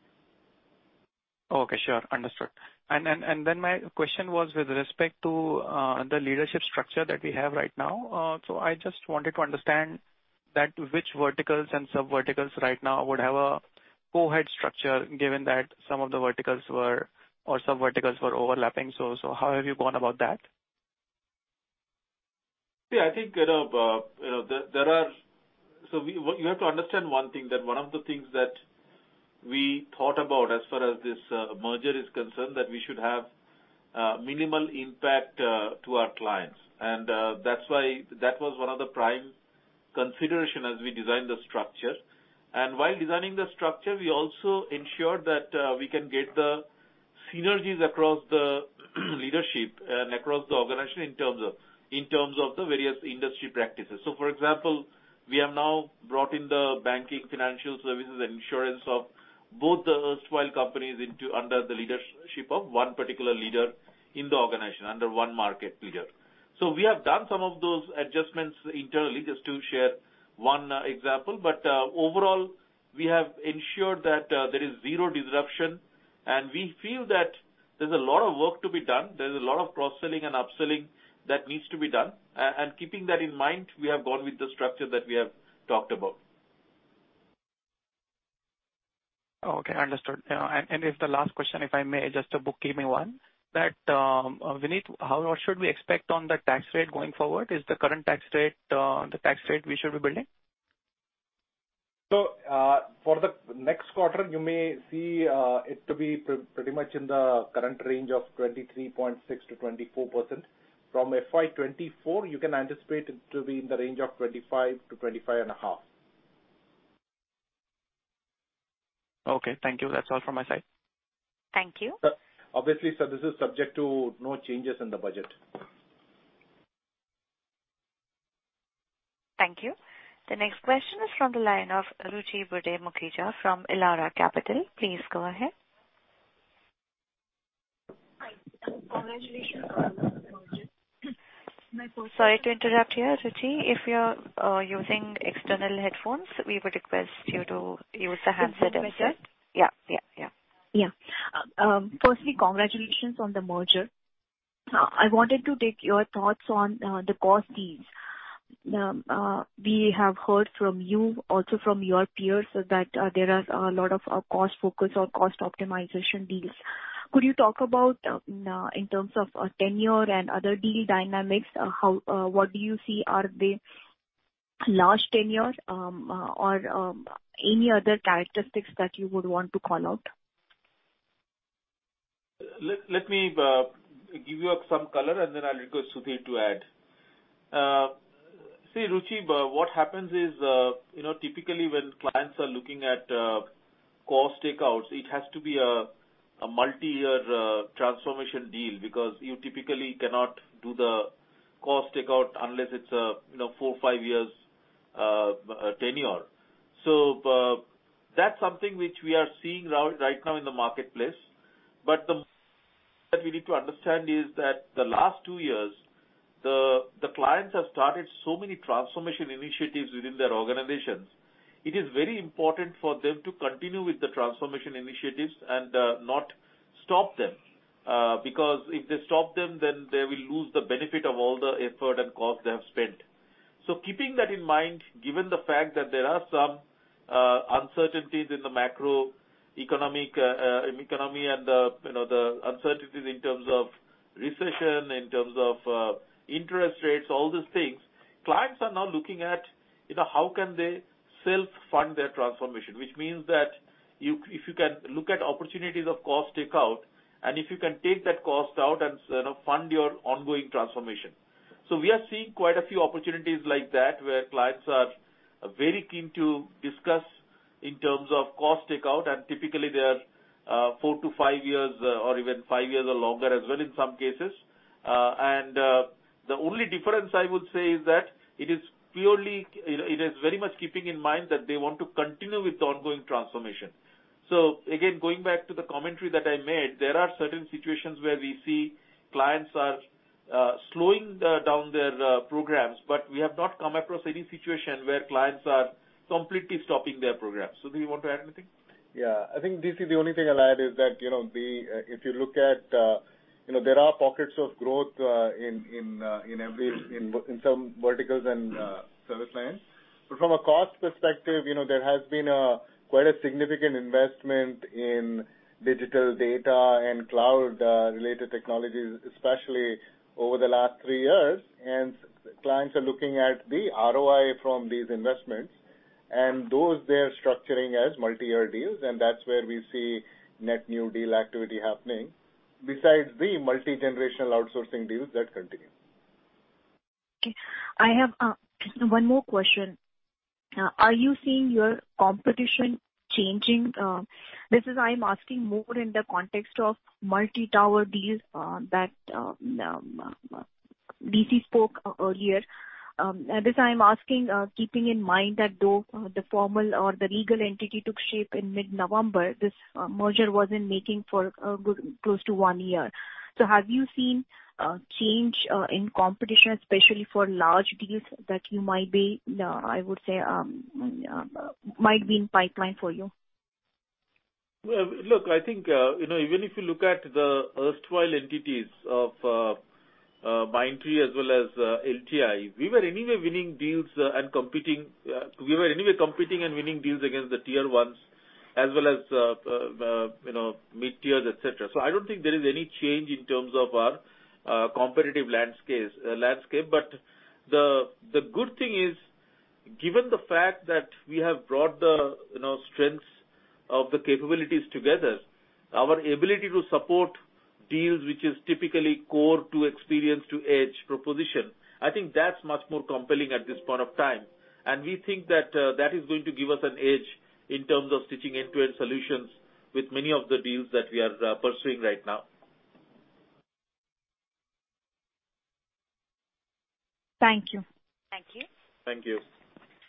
S8: Okay. Sure. Understood. Then my question was with respect to the leadership structure that we have right now. I just wanted to understand that which verticals and sub-verticals right now would have a co-head structure, given that some of the verticals were or sub-verticals were overlapping. How have you gone about that?
S3: Yeah, I think, you know, you know, there are... You have to understand one thing, that one of the things that we thought about as far as this merger is concerned, that we should have minimal impact to our clients. That's why that was one of the prime consideration as we designed the structure. While designing the structure, we also ensured that we can get the synergies across the leadership and across the organization in terms of the various industry practices. For example, we have now brought in the Banking, Financial Services and Insurance of both the [HCL] companies under the leadership of one particular leader in the organization, under one market leader. We have done some of those adjustments internally, just to share one example. overall, we have ensured that there is zero disruption, and we feel that there's a lot of work to be done. There's a lot of cross-selling and upselling that needs to be done. keeping that in mind, we have gone with the structure that we have talked about.
S8: Okay, understood. If the last question, if I may, just a bookkeeping one, that, Vinit, how or should we expect on the tax rate going forward? Is the current tax rate, the tax rate we should be building?
S4: For the next quarter, you may see it to be pretty much in the current range of 23.6%-24%. From FY 2024, you can anticipate it to be in the range of 25%-25.5%.
S8: Okay. Thank you. That's all from my side.
S1: Thank you.
S3: Obviously, this is subject to no changes in the budget.
S1: Thank you. The next question is from the line of Ruchi Burde Mukhija from Elara Capital. Please go ahead.
S9: Hi. Congratulations on the merger.
S1: Sorry to interrupt here, Ruchi. If you're using external headphones, we would request you to use the handset instead.
S9: Handset?
S1: Yeah, yeah.
S9: Firstly, congratulations on the merger. I wanted to take your thoughts on the cost deals. We have heard from you, also from your peers, that there are a lot of cost-focus or cost-optimization deals. Could you talk about in terms of tenure and other deal dynamics, how what do you see are the large tenure or any other characteristics that you would want to call out?
S3: Let me give you some color, and then I'll request Sudhir to add. See, Ruchi, what happens is, you know, typically, when clients are looking at cost takeouts, it has to be a multi-year transformation deal because you typically cannot do the cost-takeout unless it's a, you know, 4, 5 years tenure. That's something which we are seeing right now in the marketplace. That we need to understand is that the last 2 years, the clients have started so many transformation initiatives within their organizations. It is very important for them to continue with the transformation initiatives and not stop them. Because if they stop them, then they will lose the benefit of all the effort and cost they have spent. Keeping that in mind, given the fact that there are some uncertainties in the macroeconomic economy and the, you know, the uncertainties in terms of recession, in terms of interest rates, all these things, clients are now looking at, you know, how can they self-fund their transformation. Which means that if you can look at opportunities of cost takeout, and if you can take that cost out and, you know, fund your ongoing transformation. We are seeing quite a few opportunities like that, where clients are very keen to discuss in terms of cost takeout, and typically they are 4 to 5 years or even 5 years or longer as well in some cases. And the only difference I would say is that it is purely... It is very much keeping in mind that they want to continue with the ongoing transformation. Again, going back to the commentary that I made, there are certain situations where we see clients are slowing down their programs. We have not come across any situation where clients are completely stopping their programs. Sudhir, you want to add anything?
S10: Yeah. I think this is the only thing I'll add is that, you know, If you look at, you know, there are pockets of growth in, in some verticals and service lines. From a cost perspective, you know, there has been a quite a significant investment in digital data and cloud related technologies, especially over the last three years. Clients are looking at the ROI from these investments. Those they are structuring as multi-year deals, and that's where we see net new deal activity happening besides the multi-generational outsourcing deals that continue.
S9: Okay. I have just one more question. Are you seeing your competition changing? This is I'm asking more in the context of multi-tower deals that DC spoke earlier. This I'm asking, keeping in mind that though the formal or the legal entity took shape in mid-November, this merger was in making for a good close to 1 year. Have you seen change in competition especially for large deals that you might be, I would say, might be in pipeline for you?
S3: Well, look, I think, you know, even if you look at the erstwhile entities of Mindtree as well as LTI, we were anyway winning deals and we were anyway competing and winning deals against the tier ones as well as, you know, mid-tiers, et cetera. So I don't think there is any change in terms of our competitive landscape. But the good thing is, given the fact that we have brought the, you know, strengths of the capabilities together, our ability to support deals which is typically core to experience to edge proposition, I think that's much more compelling at this point of time. And we think that is going to give us an edge in terms of stitching end-to-end solutions with many of the deals that we are pursuing right now.
S9: Thank you.
S1: Thank you.
S3: Thank you.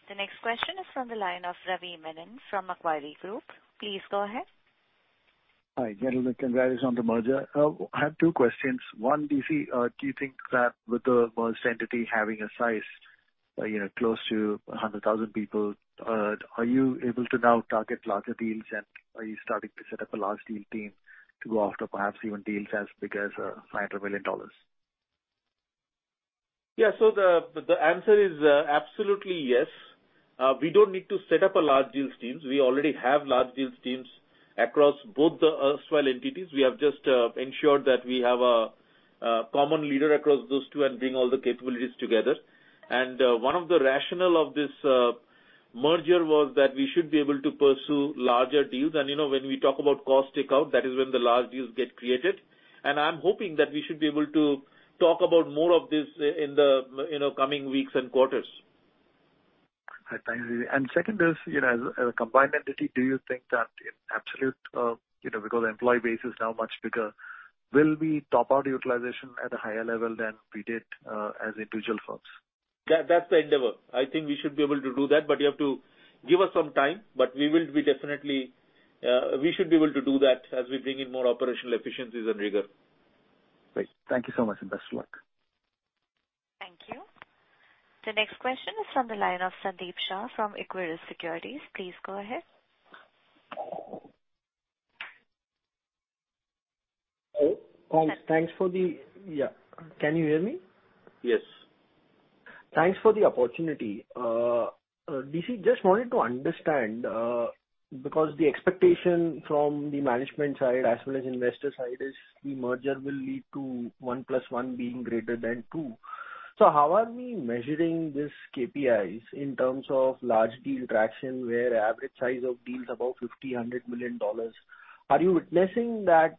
S1: The next question is from the line of Ravi Menon from Macquarie Group. Please go ahead.
S11: Hi, gentlemen. Congrats on the merger. I have two questions. One, DC, do you think that with the merged entity having a size, you know, close to 100,000 people, are you able to now target larger deals? Are you starting to set up a large deal team to go after perhaps even deals as big as $500 million?
S3: The answer is, absolutely yes. We don't need to set up a large deals teams. We already have large deals teams across both the erstwhile entities. We have just ensured that we have a common leader across those two and bring all the capabilities together. One of the rationale of this merger was that we should be able to pursue larger deals. You know, when we talk about cost takeout, that is when the large deals get created. I'm hoping that we should be able to talk about more of this in the, you know, coming weeks and quarters.
S11: All right. Thanks. Second is, you know, as a, as a combined entity, do you think that in absolute, you know, because the employee base is now much bigger, will we top our utilization at a higher level than we did as individual firms?
S3: That's the endeavor. I think we should be able to do that, but you have to give us some time. We should be able to do that as we bring in more operational efficiencies and rigor.
S11: Great. Thank you so much, and best of luck.
S1: Thank you. The next question is from the line of Sandeep Shah from Equirus Securities. Please go ahead.
S12: Hello. Thanks. Yeah. Can you hear me?
S3: Yes.
S12: Thanks for the opportunity. DC, just wanted to understand, because the expectation from the management side as well as investor side is the merger will lead to 1 plus 1 being greater than 2. How are we measuring these KPIs in terms of large deal traction, where average size of deal is above $50 million-$100 million? Are you witnessing that,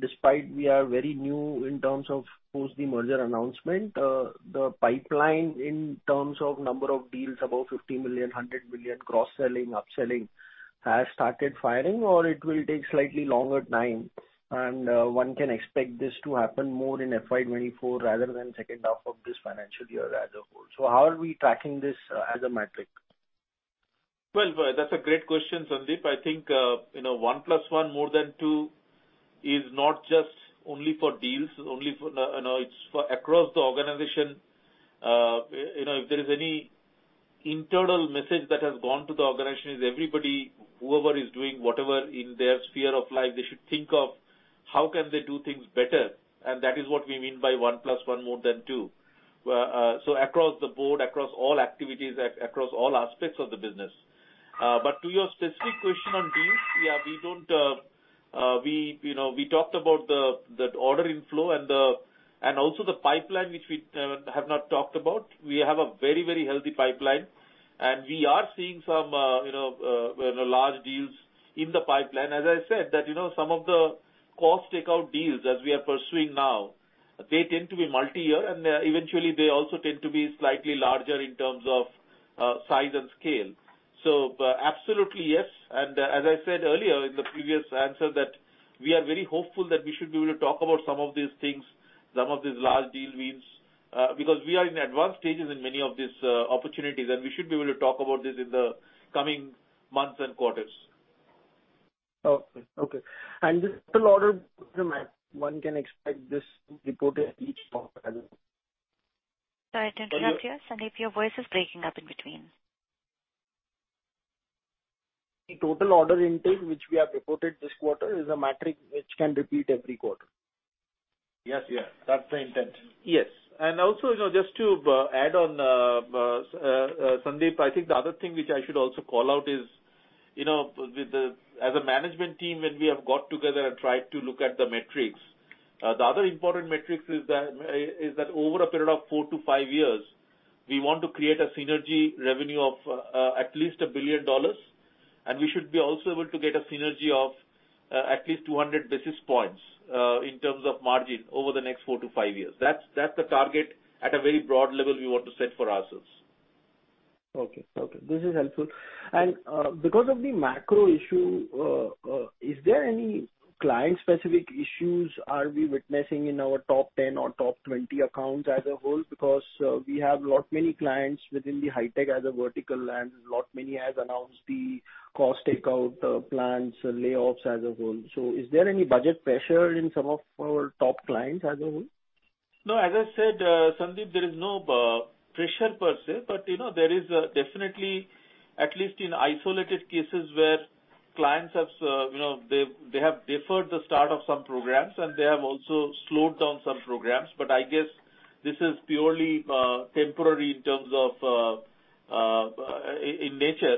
S12: despite we are very new in terms of post-merger announcement, the pipeline in terms of number of deals above $50 million-$100 million cross-selling, upselling has started firing, or it will take slightly longer time and, one can expect this to happen more in FY 2024 rather than second half of this financial year as a whole. How are we tracking this, as a metric?
S3: Well, that's a great question, Sandeep. I think, you know, one plus one more than two is not just only for deals. You know, it's for across the organization. You know, if there is any internal message that has gone to the organization, is everybody, whoever is doing whatever in their sphere of life, they should think of how can they do things better. That is what we mean by one plus one more than two. So across the board, across all activities, across all aspects of the business. But to your specific question on deals, yeah, we don't, we, you know, we talked about the order inflow and the pipeline, which we have not talked about. We have a very, very healthy pipeline, and we are seeing some, you know, large deals in the pipeline. As I said that, you know, some of the cost-takeout deals as we are pursuing now, they tend to be multi-year, and eventually they also tend to be slightly larger in terms of size and scale. Absolutely, yes. As I said earlier in the previous answer, that we are very hopeful that we should be able to talk about some of these things, some of these large deal wins, because we are in advanced stages in many of these opportunities, and we should be able to talk about this in the coming months and quarters.
S12: Okay. This total order, one can expect this reported each quarter as well.
S1: Sorry to interrupt you, Sandeep. Your voice is breaking up in between.
S12: The total order intake which we have reported this quarter is a metric which can repeat every quarter.
S3: Yes. Yeah. That's the intent. Yes. Also, you know, just to add on, Sandeep, I think the other thing which I should also call out. You know, with as a management team, when we have got together and tried to look at the metrics, the other important metrics is that, is that over a period of four to five years, we want to create a synergy revenue of at least $1 billion, and we should be also able to get a synergy of at least 200 basis points in terms of margin over the next four to five years. That's the target at a very broad level we want to set for ourselves.
S12: Okay. Okay. This is helpful. Because of the macro issue, is there any client-specific issues are we witnessing in our top 10 or top 20 accounts as a whole? We have lot many clients within the high-tech as a vertical, and lot many has announced the cost-takeout plans, layoffs as a whole. Is there any budget pressure in some of our top clients as a whole?
S3: No, as I said, Sandeep, there is no pressure per se, but, you know, there is definitely, at least in isolated cases where clients have, you know, they've, they have deferred the start of some programs, and they have also slowed down some programs. I guess this is purely temporary in terms of in nature.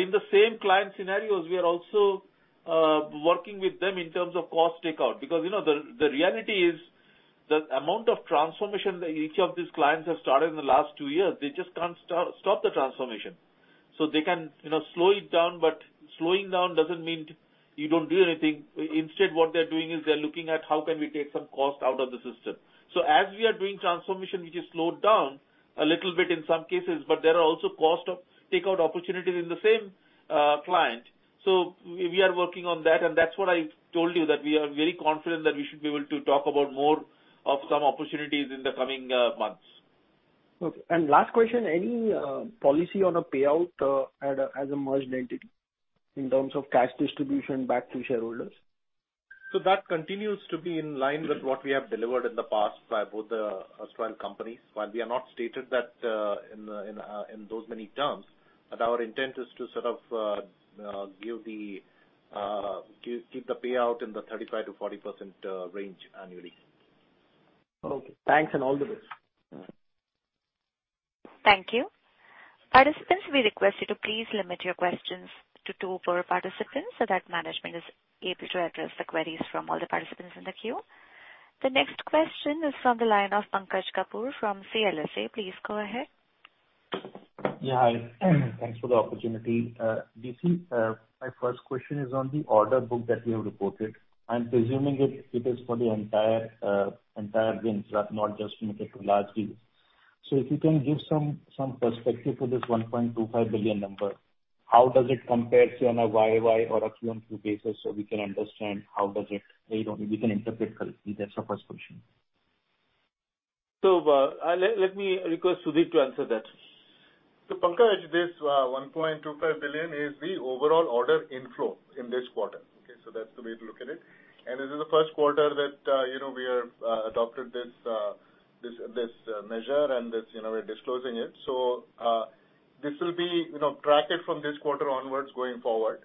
S3: In the same client scenarios, we are also working with them in terms of cost takeout. You know, the reality is the amount of transformation that each of these clients have started in the last 2 years, they just can't stop the transformation. They can, you know, slow it down, but slowing down doesn't mean you don't do anything. Instead, what they're doing is they're looking at how can we take some cost out of the system. As we are doing transformation, which is slowed down a little bit in some cases, but there are also cost of takeout opportunities in the same client. We are working on that, and that's what I told you, that we are very confident that we should be able to talk about more of some opportunities in the coming months.
S12: Okay. Last question, any policy on a payout, at a, as a merged entity in terms of cash distribution back to shareholders?
S3: That continues to be in line with what we have delivered in the past by both the [HCL] companies. While we have not stated that in those many terms, but our intent is to sort of, keep the payout in the 35%-40% range annually.
S12: Okay. Thanks, and all the best.
S1: Thank you. Participants, we request you to please limit your questions to 2 per participant, so that management is able to address the queries from all the participants in the queue. The next question is from the line of Pankaj Kapoor from CLSA. Please go ahead.
S13: Yeah, hi. Thanks for the opportunity. DC, my first question is on the order book that you have reported. I'm presuming it is for the entire wins, not just limited to large deals. If you can give some perspective to this $1.25 billion number, how does it compare to on a YOY or a QOQ basis, so we can understand how does it play out and we can interpret correctly? That's the first question.
S3: Let me request Sudhir to answer that.
S10: Pankaj, this $1.25 billion is the overall order inflow in this quarter. Okay? That's the way to look at it. This is the Q1 that, you know, we are adopted this, this measure and this, you know, we're disclosing it. This will be, you know, tracked from this quarter onwards going forward.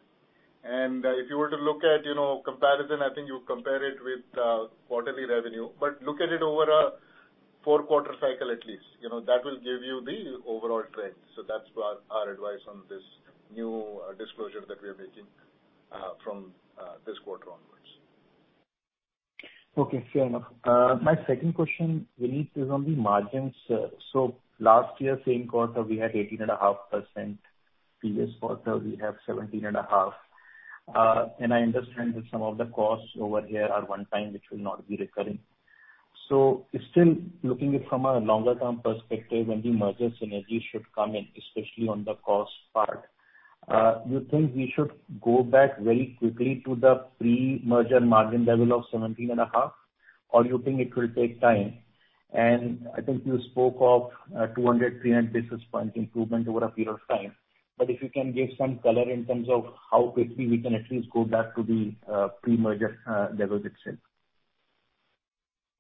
S10: If you were to look at, you know, comparison, I think you compare it with quarterly revenue, but look at it over a four-quarter cycle at least. You know, that will give you the overall trend. That's what our advice on this new disclosure that we are making from this quarter onwards.
S13: Okay, fair enough. My second question, Vineet, is on the margins. Last year, same quarter, we had 18.5%. Previous quarter, we have 17.5%. I understand that some of the costs over here are one time, which will not be recurring. Still looking it from a longer-term perspective, when the merger synergy should come in, especially on the cost part, you think we should go back very quickly to the pre-merger margin level of 17.5%, or you think it will take time? I think you spoke of 200-300 basis points improvement over a period of time. If you can give some color in terms of how quickly we can at least go back to the pre-merger levels itself.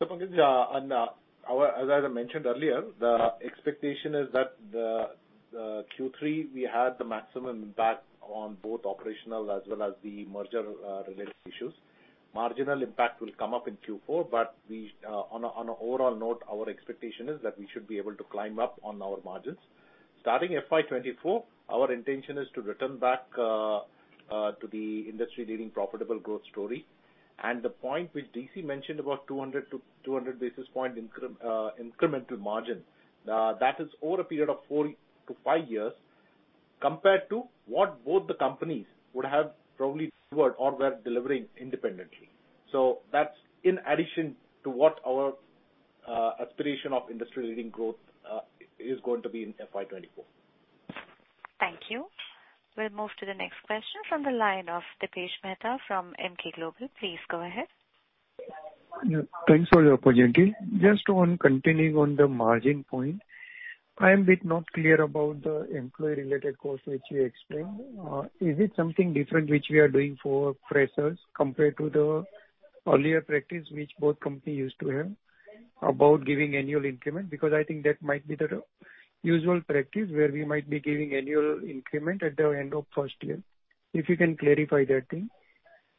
S4: Pankaj, As I mentioned earlier, the expectation is that the Q3 we had the maximum impact on both operational as well as the merger-related issues. Marginal impact will come up in Q4, but we, on an overall note, our expectation is that we should be able to climb up on our margins. Starting FY 2024, our intention is to return back to the industry-leading profitable growth story. The point which DC mentioned about 200-200 basis points incremental margin, that is over a period of 4-5 years compared to what both the companies would have probably forward or were delivering independently. That's in addition to what our aspiration of industry-leading growth is going to be in FY 2024.
S1: Thank you. We'll move to the next question from the line of Dipesh Mehta from Emkay Global. Please go ahead.
S14: Thanks for the opportunity. Just on continuing on the margin point, I am bit not clear about the employee-related costs which you explained. Is it something different which we are doing for freshers compared to the earlier practice which both company used to have about giving annual increment? Because I think that might be the usual practice where we might be giving annual increment at the end of first year. If you can clarify that thing.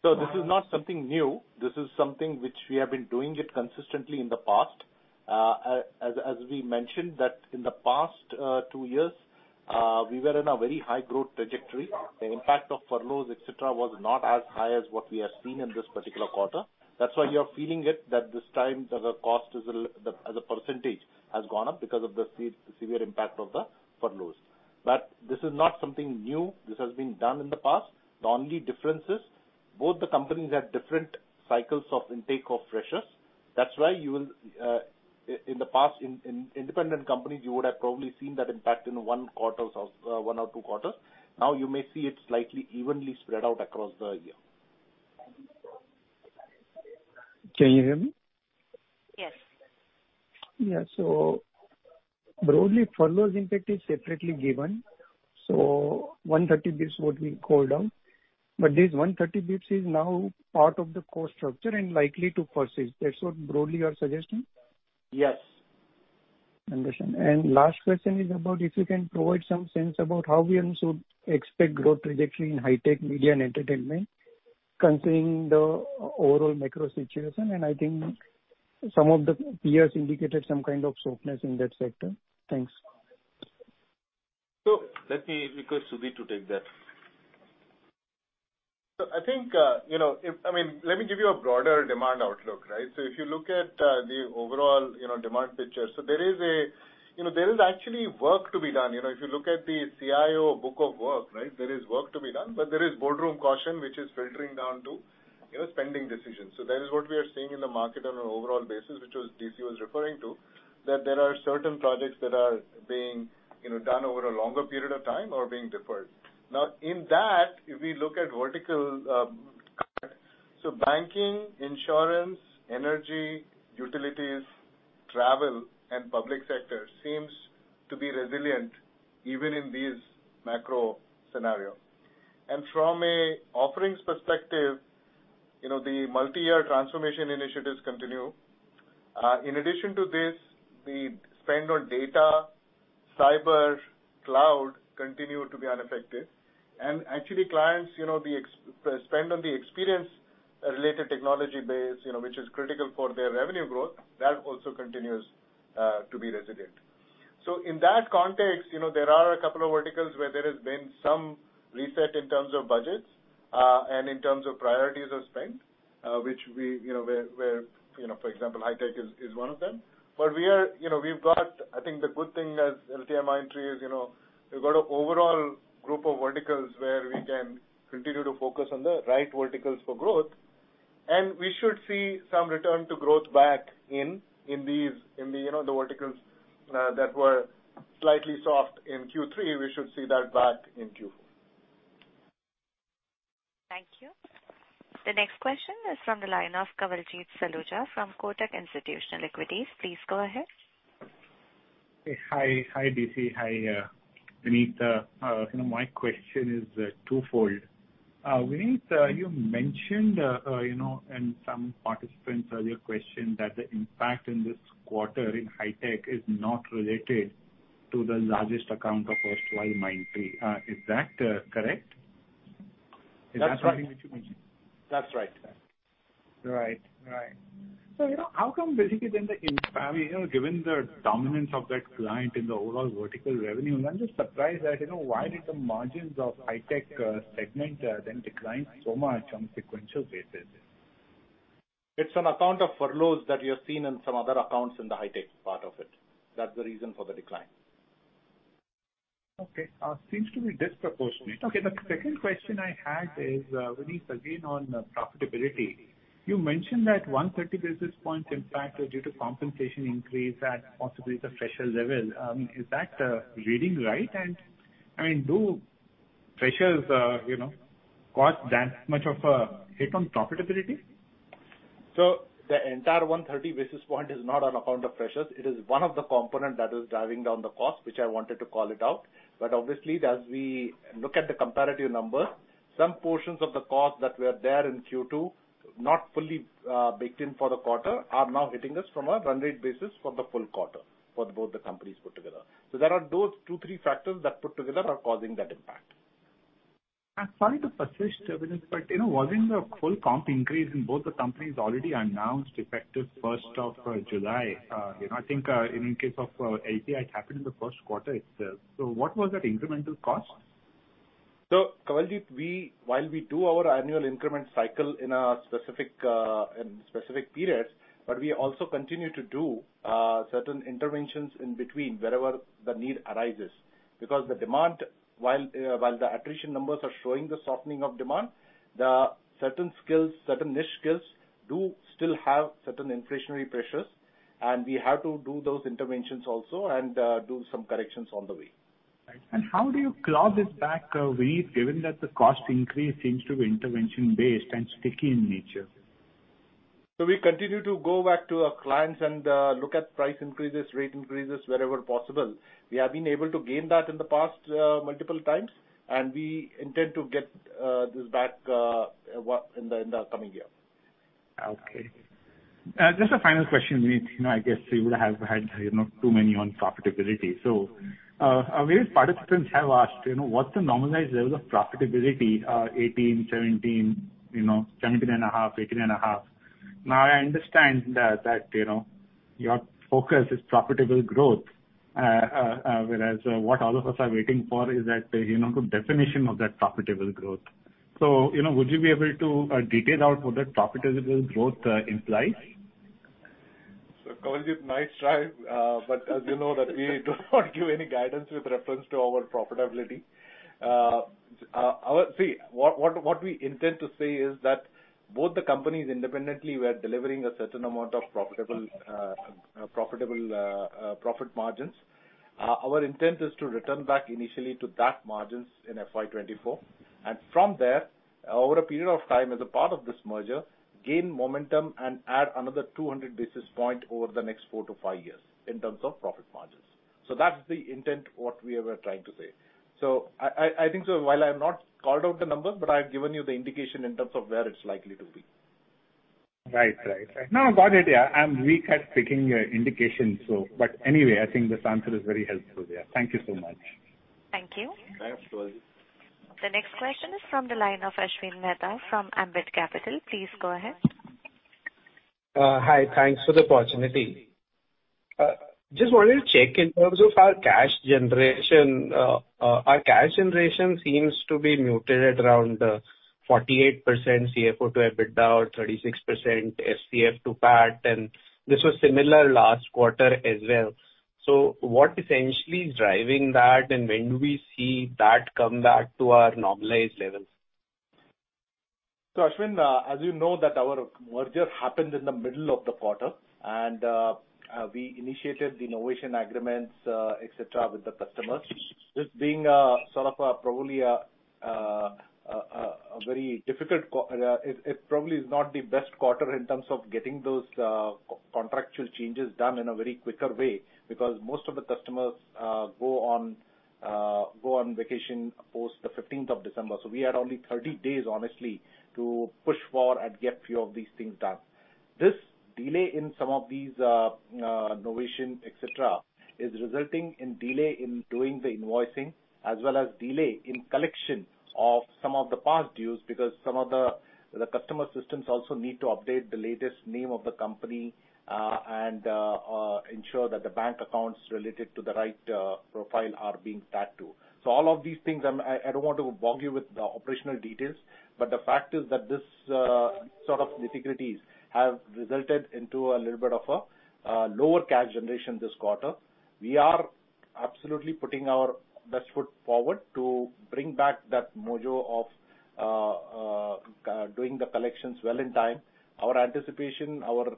S4: This is not something new. This is something which we have been doing it consistently in the past. As we mentioned that in the past, two years, we were in a very high growth trajectory. The impact of furloughs, et cetera, was not as high as what we have seen in this particular quarter. That's why you are feeling it that this time the cost is as a % has gone up because of the severe impact of the furloughs. This is not something new. This has been done in the past. The only difference is both the companies have different cycles of intake of freshers. That's why you will. In the past, in independent companies, you would have probably seen that impact in one quarter or one or two quarters. Now you may see it slightly evenly spread out across the year.
S14: Can you hear me?
S1: Yes.
S14: Yeah. Broadly, furloughs impact is separately given, so 130 basis points would be called out. This 130 basis points is now part of the cost structure and likely to persist. That's what broadly you are suggesting?
S4: Yes.
S14: Understand. Last question is about if you can provide some sense about how we also expect growth trajectory in high tech, media, and entertainment concerning the overall macro situation? I think some of the peers indicated some kind of softness in that sector. Thanks.
S4: let me request Sudhir Chaturvedi to take that.
S10: I think, you know, I mean, let me give you a broader demand outlook, right? If you look at the overall, you know, demand picture. There is, you know, there is actually work to be done. You know, if you look at the CIO book of work, right, there is work to be done. There is boardroom caution which is filtering down to, you know, spending decisions. That is what we are seeing in the market on an overall basis, which was DC was referring to, that there are certain projects that are being, you know, done over a longer period of time or being deferred. In that, if we look at vertical, banking, insurance, energy, utilities, travel, and public sector seems to be resilient even in these macro scenario. From a offerings perspective, you know, the multi-year transformation initiatives continue. In addition to this, the spend on data, cyber, cloud continues to be unaffected. Actually, clients, you know, the ex- spend on the experience-related technology base, you know, which is critical for their revenue growth, that also continues to be resilient. In that context, you know, there are a couple of verticals where there has been some reset in terms of budgets, and in terms of priorities of spend, which we, you know, where, you know, for example, high-tech is one of them. We are. You know, we've got. I think the good thing as LTIMindtree is, you know, we've got a overall group of verticals where we can continue to focus on the right verticals for growth, and we should see some return to growth back in these, in the, you know, the verticals that were slightly soft in Q3, we should see that back in Q4.
S1: Thank you. The next question is from the line of Kawaljeet Saluja from Kotak Institutional Equities. Please go ahead.
S15: Hi. Hi, DC. Hi, Vinit. You know, my question is twofold. Vinit, you mentioned, you know, and some participants earlier questioned that the impact in this quarter in high-tech is not related to the largest account of former Mindtree. Is that correct? Is that something that you mentioned?
S4: That's right.
S15: Right. Right. You know, how come basically then the impact... I mean, you know, given the dominance of that client in the overall vertical revenue, I'm just surprised that, you know, why did the margins of high-tech segment then decline so much on sequential basis?
S4: It's an account of furloughs that you have seen in some other accounts in the high-tech part of it. That's the reason for the decline.
S15: Okay. Seems to be disproportionate. Okay, the second question I had is, Vineet, again, on profitability. You mentioned that 130 basis points impact was due to compensation increase at possibly the fresher level. Is that reading right? I mean, do freshers, you know, cause that much of a hit on profitability?
S4: The entire 130 basis point is not on account of freshers. It is one of the component that is driving down the cost, which I wanted to call it out. Obviously, as we look at the comparative number, some portions of the cost that were there in Q2 not fully baked in for the quarter are now hitting us from a run rate basis for the full quarter for both the companies put together. There are those two, three factors that put together are causing that impact.
S15: I'm sorry to persist, Vineet, you know, wasn't the full comp increase in both the companies already announced effective July 1st? you know, I think, in case of, API, it happened in the Q1 itself. What was that incremental cost?
S4: Kawaljit, while we do our annual increment cycle in a specific, in specific periods, but we also continue to do certain interventions in between wherever the need arises. The demand, while the attrition numbers are showing the softening of demand, the certain skills, certain niche skills do still have certain inflationary pressures, and we have to do those interventions also and do some corrections on the way.
S15: Right. How do you claw this back, Vineet, given that the cost increase seems to be intervention-based and sticky in nature?
S4: We continue to go back to our clients and look at price increases, rate increases wherever possible. We have been able to gain that in the past, multiple times, and we intend to get this back, what, in the, in the coming year.
S15: Okay. Just a final question, Vineet. You know, I guess you would have had, you know, too many on profitability. Our various participants have asked, you know, what's the normalized level of profitability, 18%, 17%, you know, 10.5%, 18.5%. Now, I understand that, you know, your focus is profitable growth. Whereas what all of us are waiting for is that, you know, the definition of that profitable growth. You know, would you be able to detail out what that profitable growth implies?
S4: Kawaljit nice try, but as you know that we do not give any guidance with reference to our profitability. See, what we intend to say is that both the companies independently were delivering a certain amount of profitable profit margins. Our intent is to return back initially to that margins in FY 2024. From there, over a period of time as a part of this merger, gain momentum and add another 200 basis point over the next 4 to 5 years in terms of profit margins. That's the intent what we are trying to say. I think so while I have not called out the numbers, but I have given you the indication in terms of where it's likely to be.
S15: Right. Right. Right. No, got it. Yeah. I'm weak at picking, indications, so. Anyway, I think this answer is very helpful, yeah. Thank you so much.
S1: Thank you.
S4: Thanks, Kawaljeet.
S1: The next question is from the line of Ashwin Mehta from Ambit Capital. Please go ahead.
S16: Hi. Thanks for the opportunity. just wanted to check in terms of our cash generation. our cash generation seems to be muted at around, 48% CFO to EBITDA or 36% FCF to PAT, and this was similar last quarter as well. What essentially is driving that and when do we see that come back to our normalized levels?
S4: Ashwin, as you know that our merger happened in the middle of the quarter. We initiated the novation agreements, et cetera, with the customers. This being sort of probably a very difficult it probably is not the best quarter in terms of getting those co-contractual changes done in a very quicker way because most of the customers go on vacation post the December 15th. We had only 30 days honestly to push for and get few of these things done. This delay in some of these novation, et cetera, is resulting in delay in doing the invoicing as well as delay in collection of some of the past dues because some of the customer systems also need to update the latest name of the company, and ensure that the bank accounts related to the right profile are being tagged to. All of these things I don't want to bog you with the operational details, but the fact is that this sort of difficulties have resulted into a little bit of a lower cash generation this quarter. We are absolutely putting our best foot forward to bring back that mojo of doing the collections well in time. Our anticipation, our,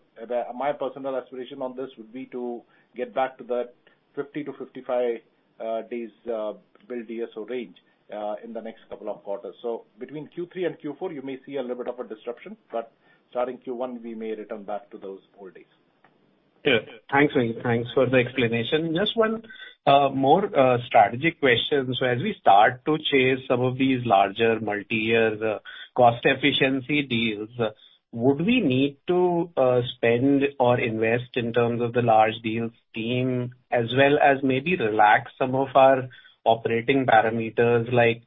S4: my personal aspiration on this would be to get back to that 50-55 days bill DSO range in the next couple of quarters. Between Q3 and Q4 you may see a little bit of a disruption, but starting Q1 we may return back to those old days.
S16: Yeah. Thanks, Vineet. Thanks for the explanation. Just one more strategic question. As we start to chase some of these larger multi-year cost efficiency deals, would we need to spend or invest in terms of the large deals team as well as maybe relax some of our operating parameters like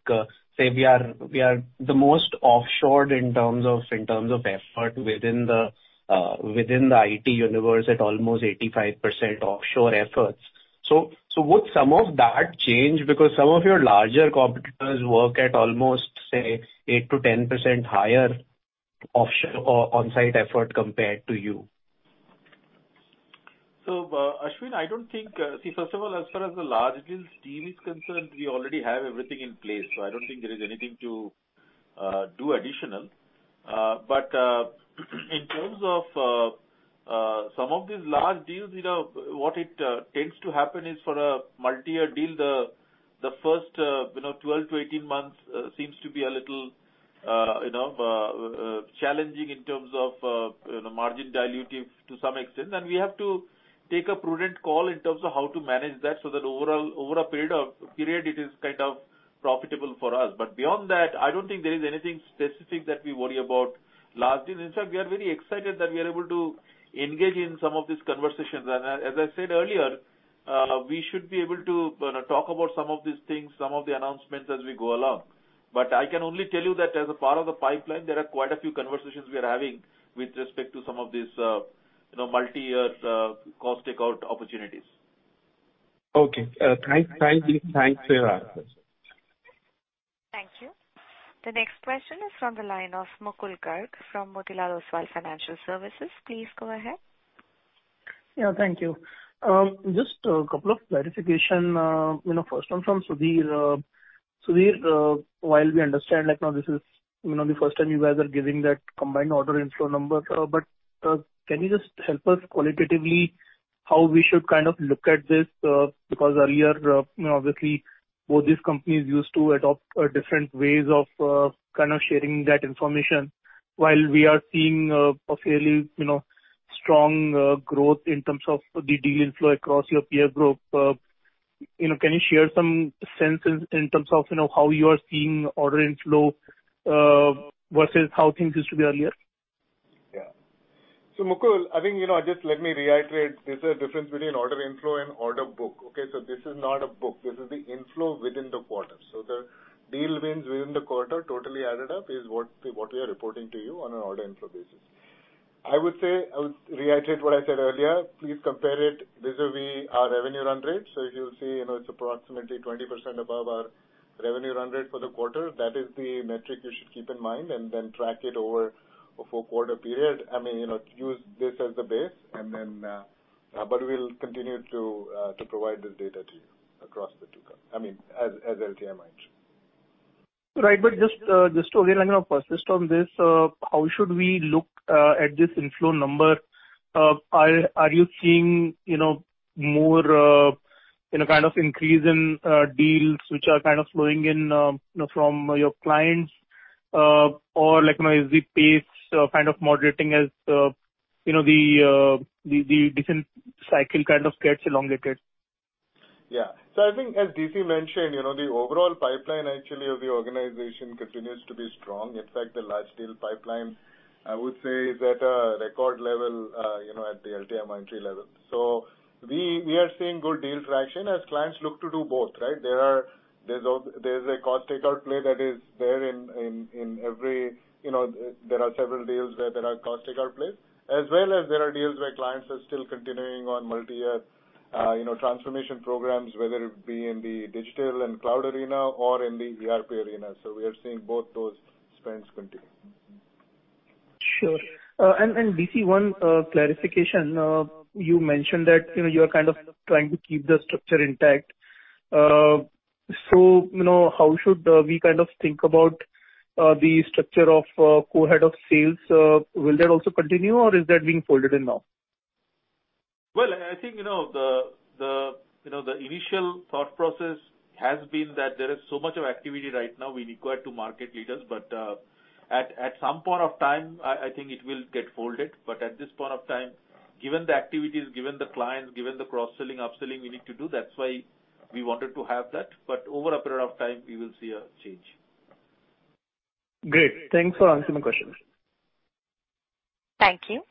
S16: say we are the most offshored in terms of effort within the IT universe at almost 85% offshore efforts? Would some of that change? Some of your larger competitors work at almost, say, 8%-10% higher offshore or on-site effort compared to you.
S4: Ashwin, I don't think. See, first of all, as far as the large deals team is concerned, we already have everything in place, so I don't think there is anything to do additional. In terms of some of these large deals, you know, what it tends to happen is for a multi-year deal, the first, you know, 12 to 18 months, seems to be a little, you know, challenging in terms of, you know, margin dilutive to some extent. We have to take a prudent call in terms of how to manage that so that overall, over a period it is kind of profitable for us. Beyond that, I don't think there is anything specific that we worry about large deals. In fact, we are very excited that we are able to engage in some of these conversations. As I said earlier, we should be able to, you know, talk about some of these things, some of the announcements as we go along. I can only tell you that as a part of the pipeline, there are quite a few conversations we are having with respect to some of these, you know, multi-year, cost-takeout opportunities.
S16: Okay. Thanks, Vineet. Thanks for your answers.
S1: Thank you. The next question is from the line of Mukul Garg from Motilal Oswal Financial Services. Please go ahead.
S17: Yeah, thank you. Just a couple of clarification, you know, first one from Sudhir. Sudhir, while we understand like now this is, you know, the first time you guys are giving that combined order inflow number, can you just help us qualitatively how we should kind of look at this? Because earlier, you know, obviously both these companies used to adopt different ways of kind of sharing that information. While we are seeing a fairly, you know, strong growth in terms of the deal flow across your peer group, you know, can you share some senses in terms of, you know, how you are seeing order inflow versus how things used to be earlier?
S10: Yeah. Mukul, I think, you know, just let me reiterate, there's a difference between order inflow and order book. Okay? This is not a book, this is the inflow within the quarter. The deal wins within the quarter totally added up is what we are reporting to you on an order inflow basis. I would say, I would reiterate what I said earlier, please compare it vis-a-vis our revenue run rate. You'll see, you know, it's approximately 20% above our revenue run rate for the quarter. That is the metric you should keep in mind and then track it over a full quarter period. I mean, you know, use this as the base and then. We'll continue to provide this data to you across the two quarters, I mean, as LTIMindtree.
S17: Right. Just just to again kind of persist on this, how should we look at this inflow number? Are you seeing, you know, more, you know, kind of increase in deals which are kind of flowing in, you know, from your clients? Or like now is the pace kind of moderating as, you know, the different cycle kind of gets elongated?
S10: Yeah. I think as DC mentioned, you know, the overall pipeline actually of the organization continues to be strong. In fact, the large deal pipeline, I would say is at a record level, you know, at the LTIMindtree level. We are seeing good deal traction as clients look to do both, right? There's a cost-takeout play that is there in every, you know, there are several deals where there are cost-takeout plays, as well as there are deals where clients are still continuing on multi-year, you know, transformation programs, whether it be in the digital and cloud arena or in the ERP arena. We are seeing both those spends continue.
S17: Sure. DC, one clarification. You mentioned that, you know, you're kind of trying to keep the structure intact. You know, how should we kind of think about the structure of co-head of sales? Will that also continue or is that being folded in now?
S3: Well, I think, you know, the initial thought process has been that there is so much of activity right now we require two market leaders. At some point of time, I think it will get folded. At this point of time, given the activities, given the clients, given the cross-selling, upselling we need to do, that's why we wanted to have that. Over a period of time we will see a change.
S17: Great. Thanks for answering the questions.
S1: Thank you.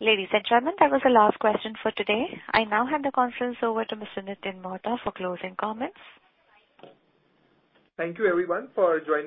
S1: Ladies and gentlemen, that was the last question for today. I now hand the conference over to Mr. Nitin Mohta for closing comments.
S2: Thank you everyone for joining us.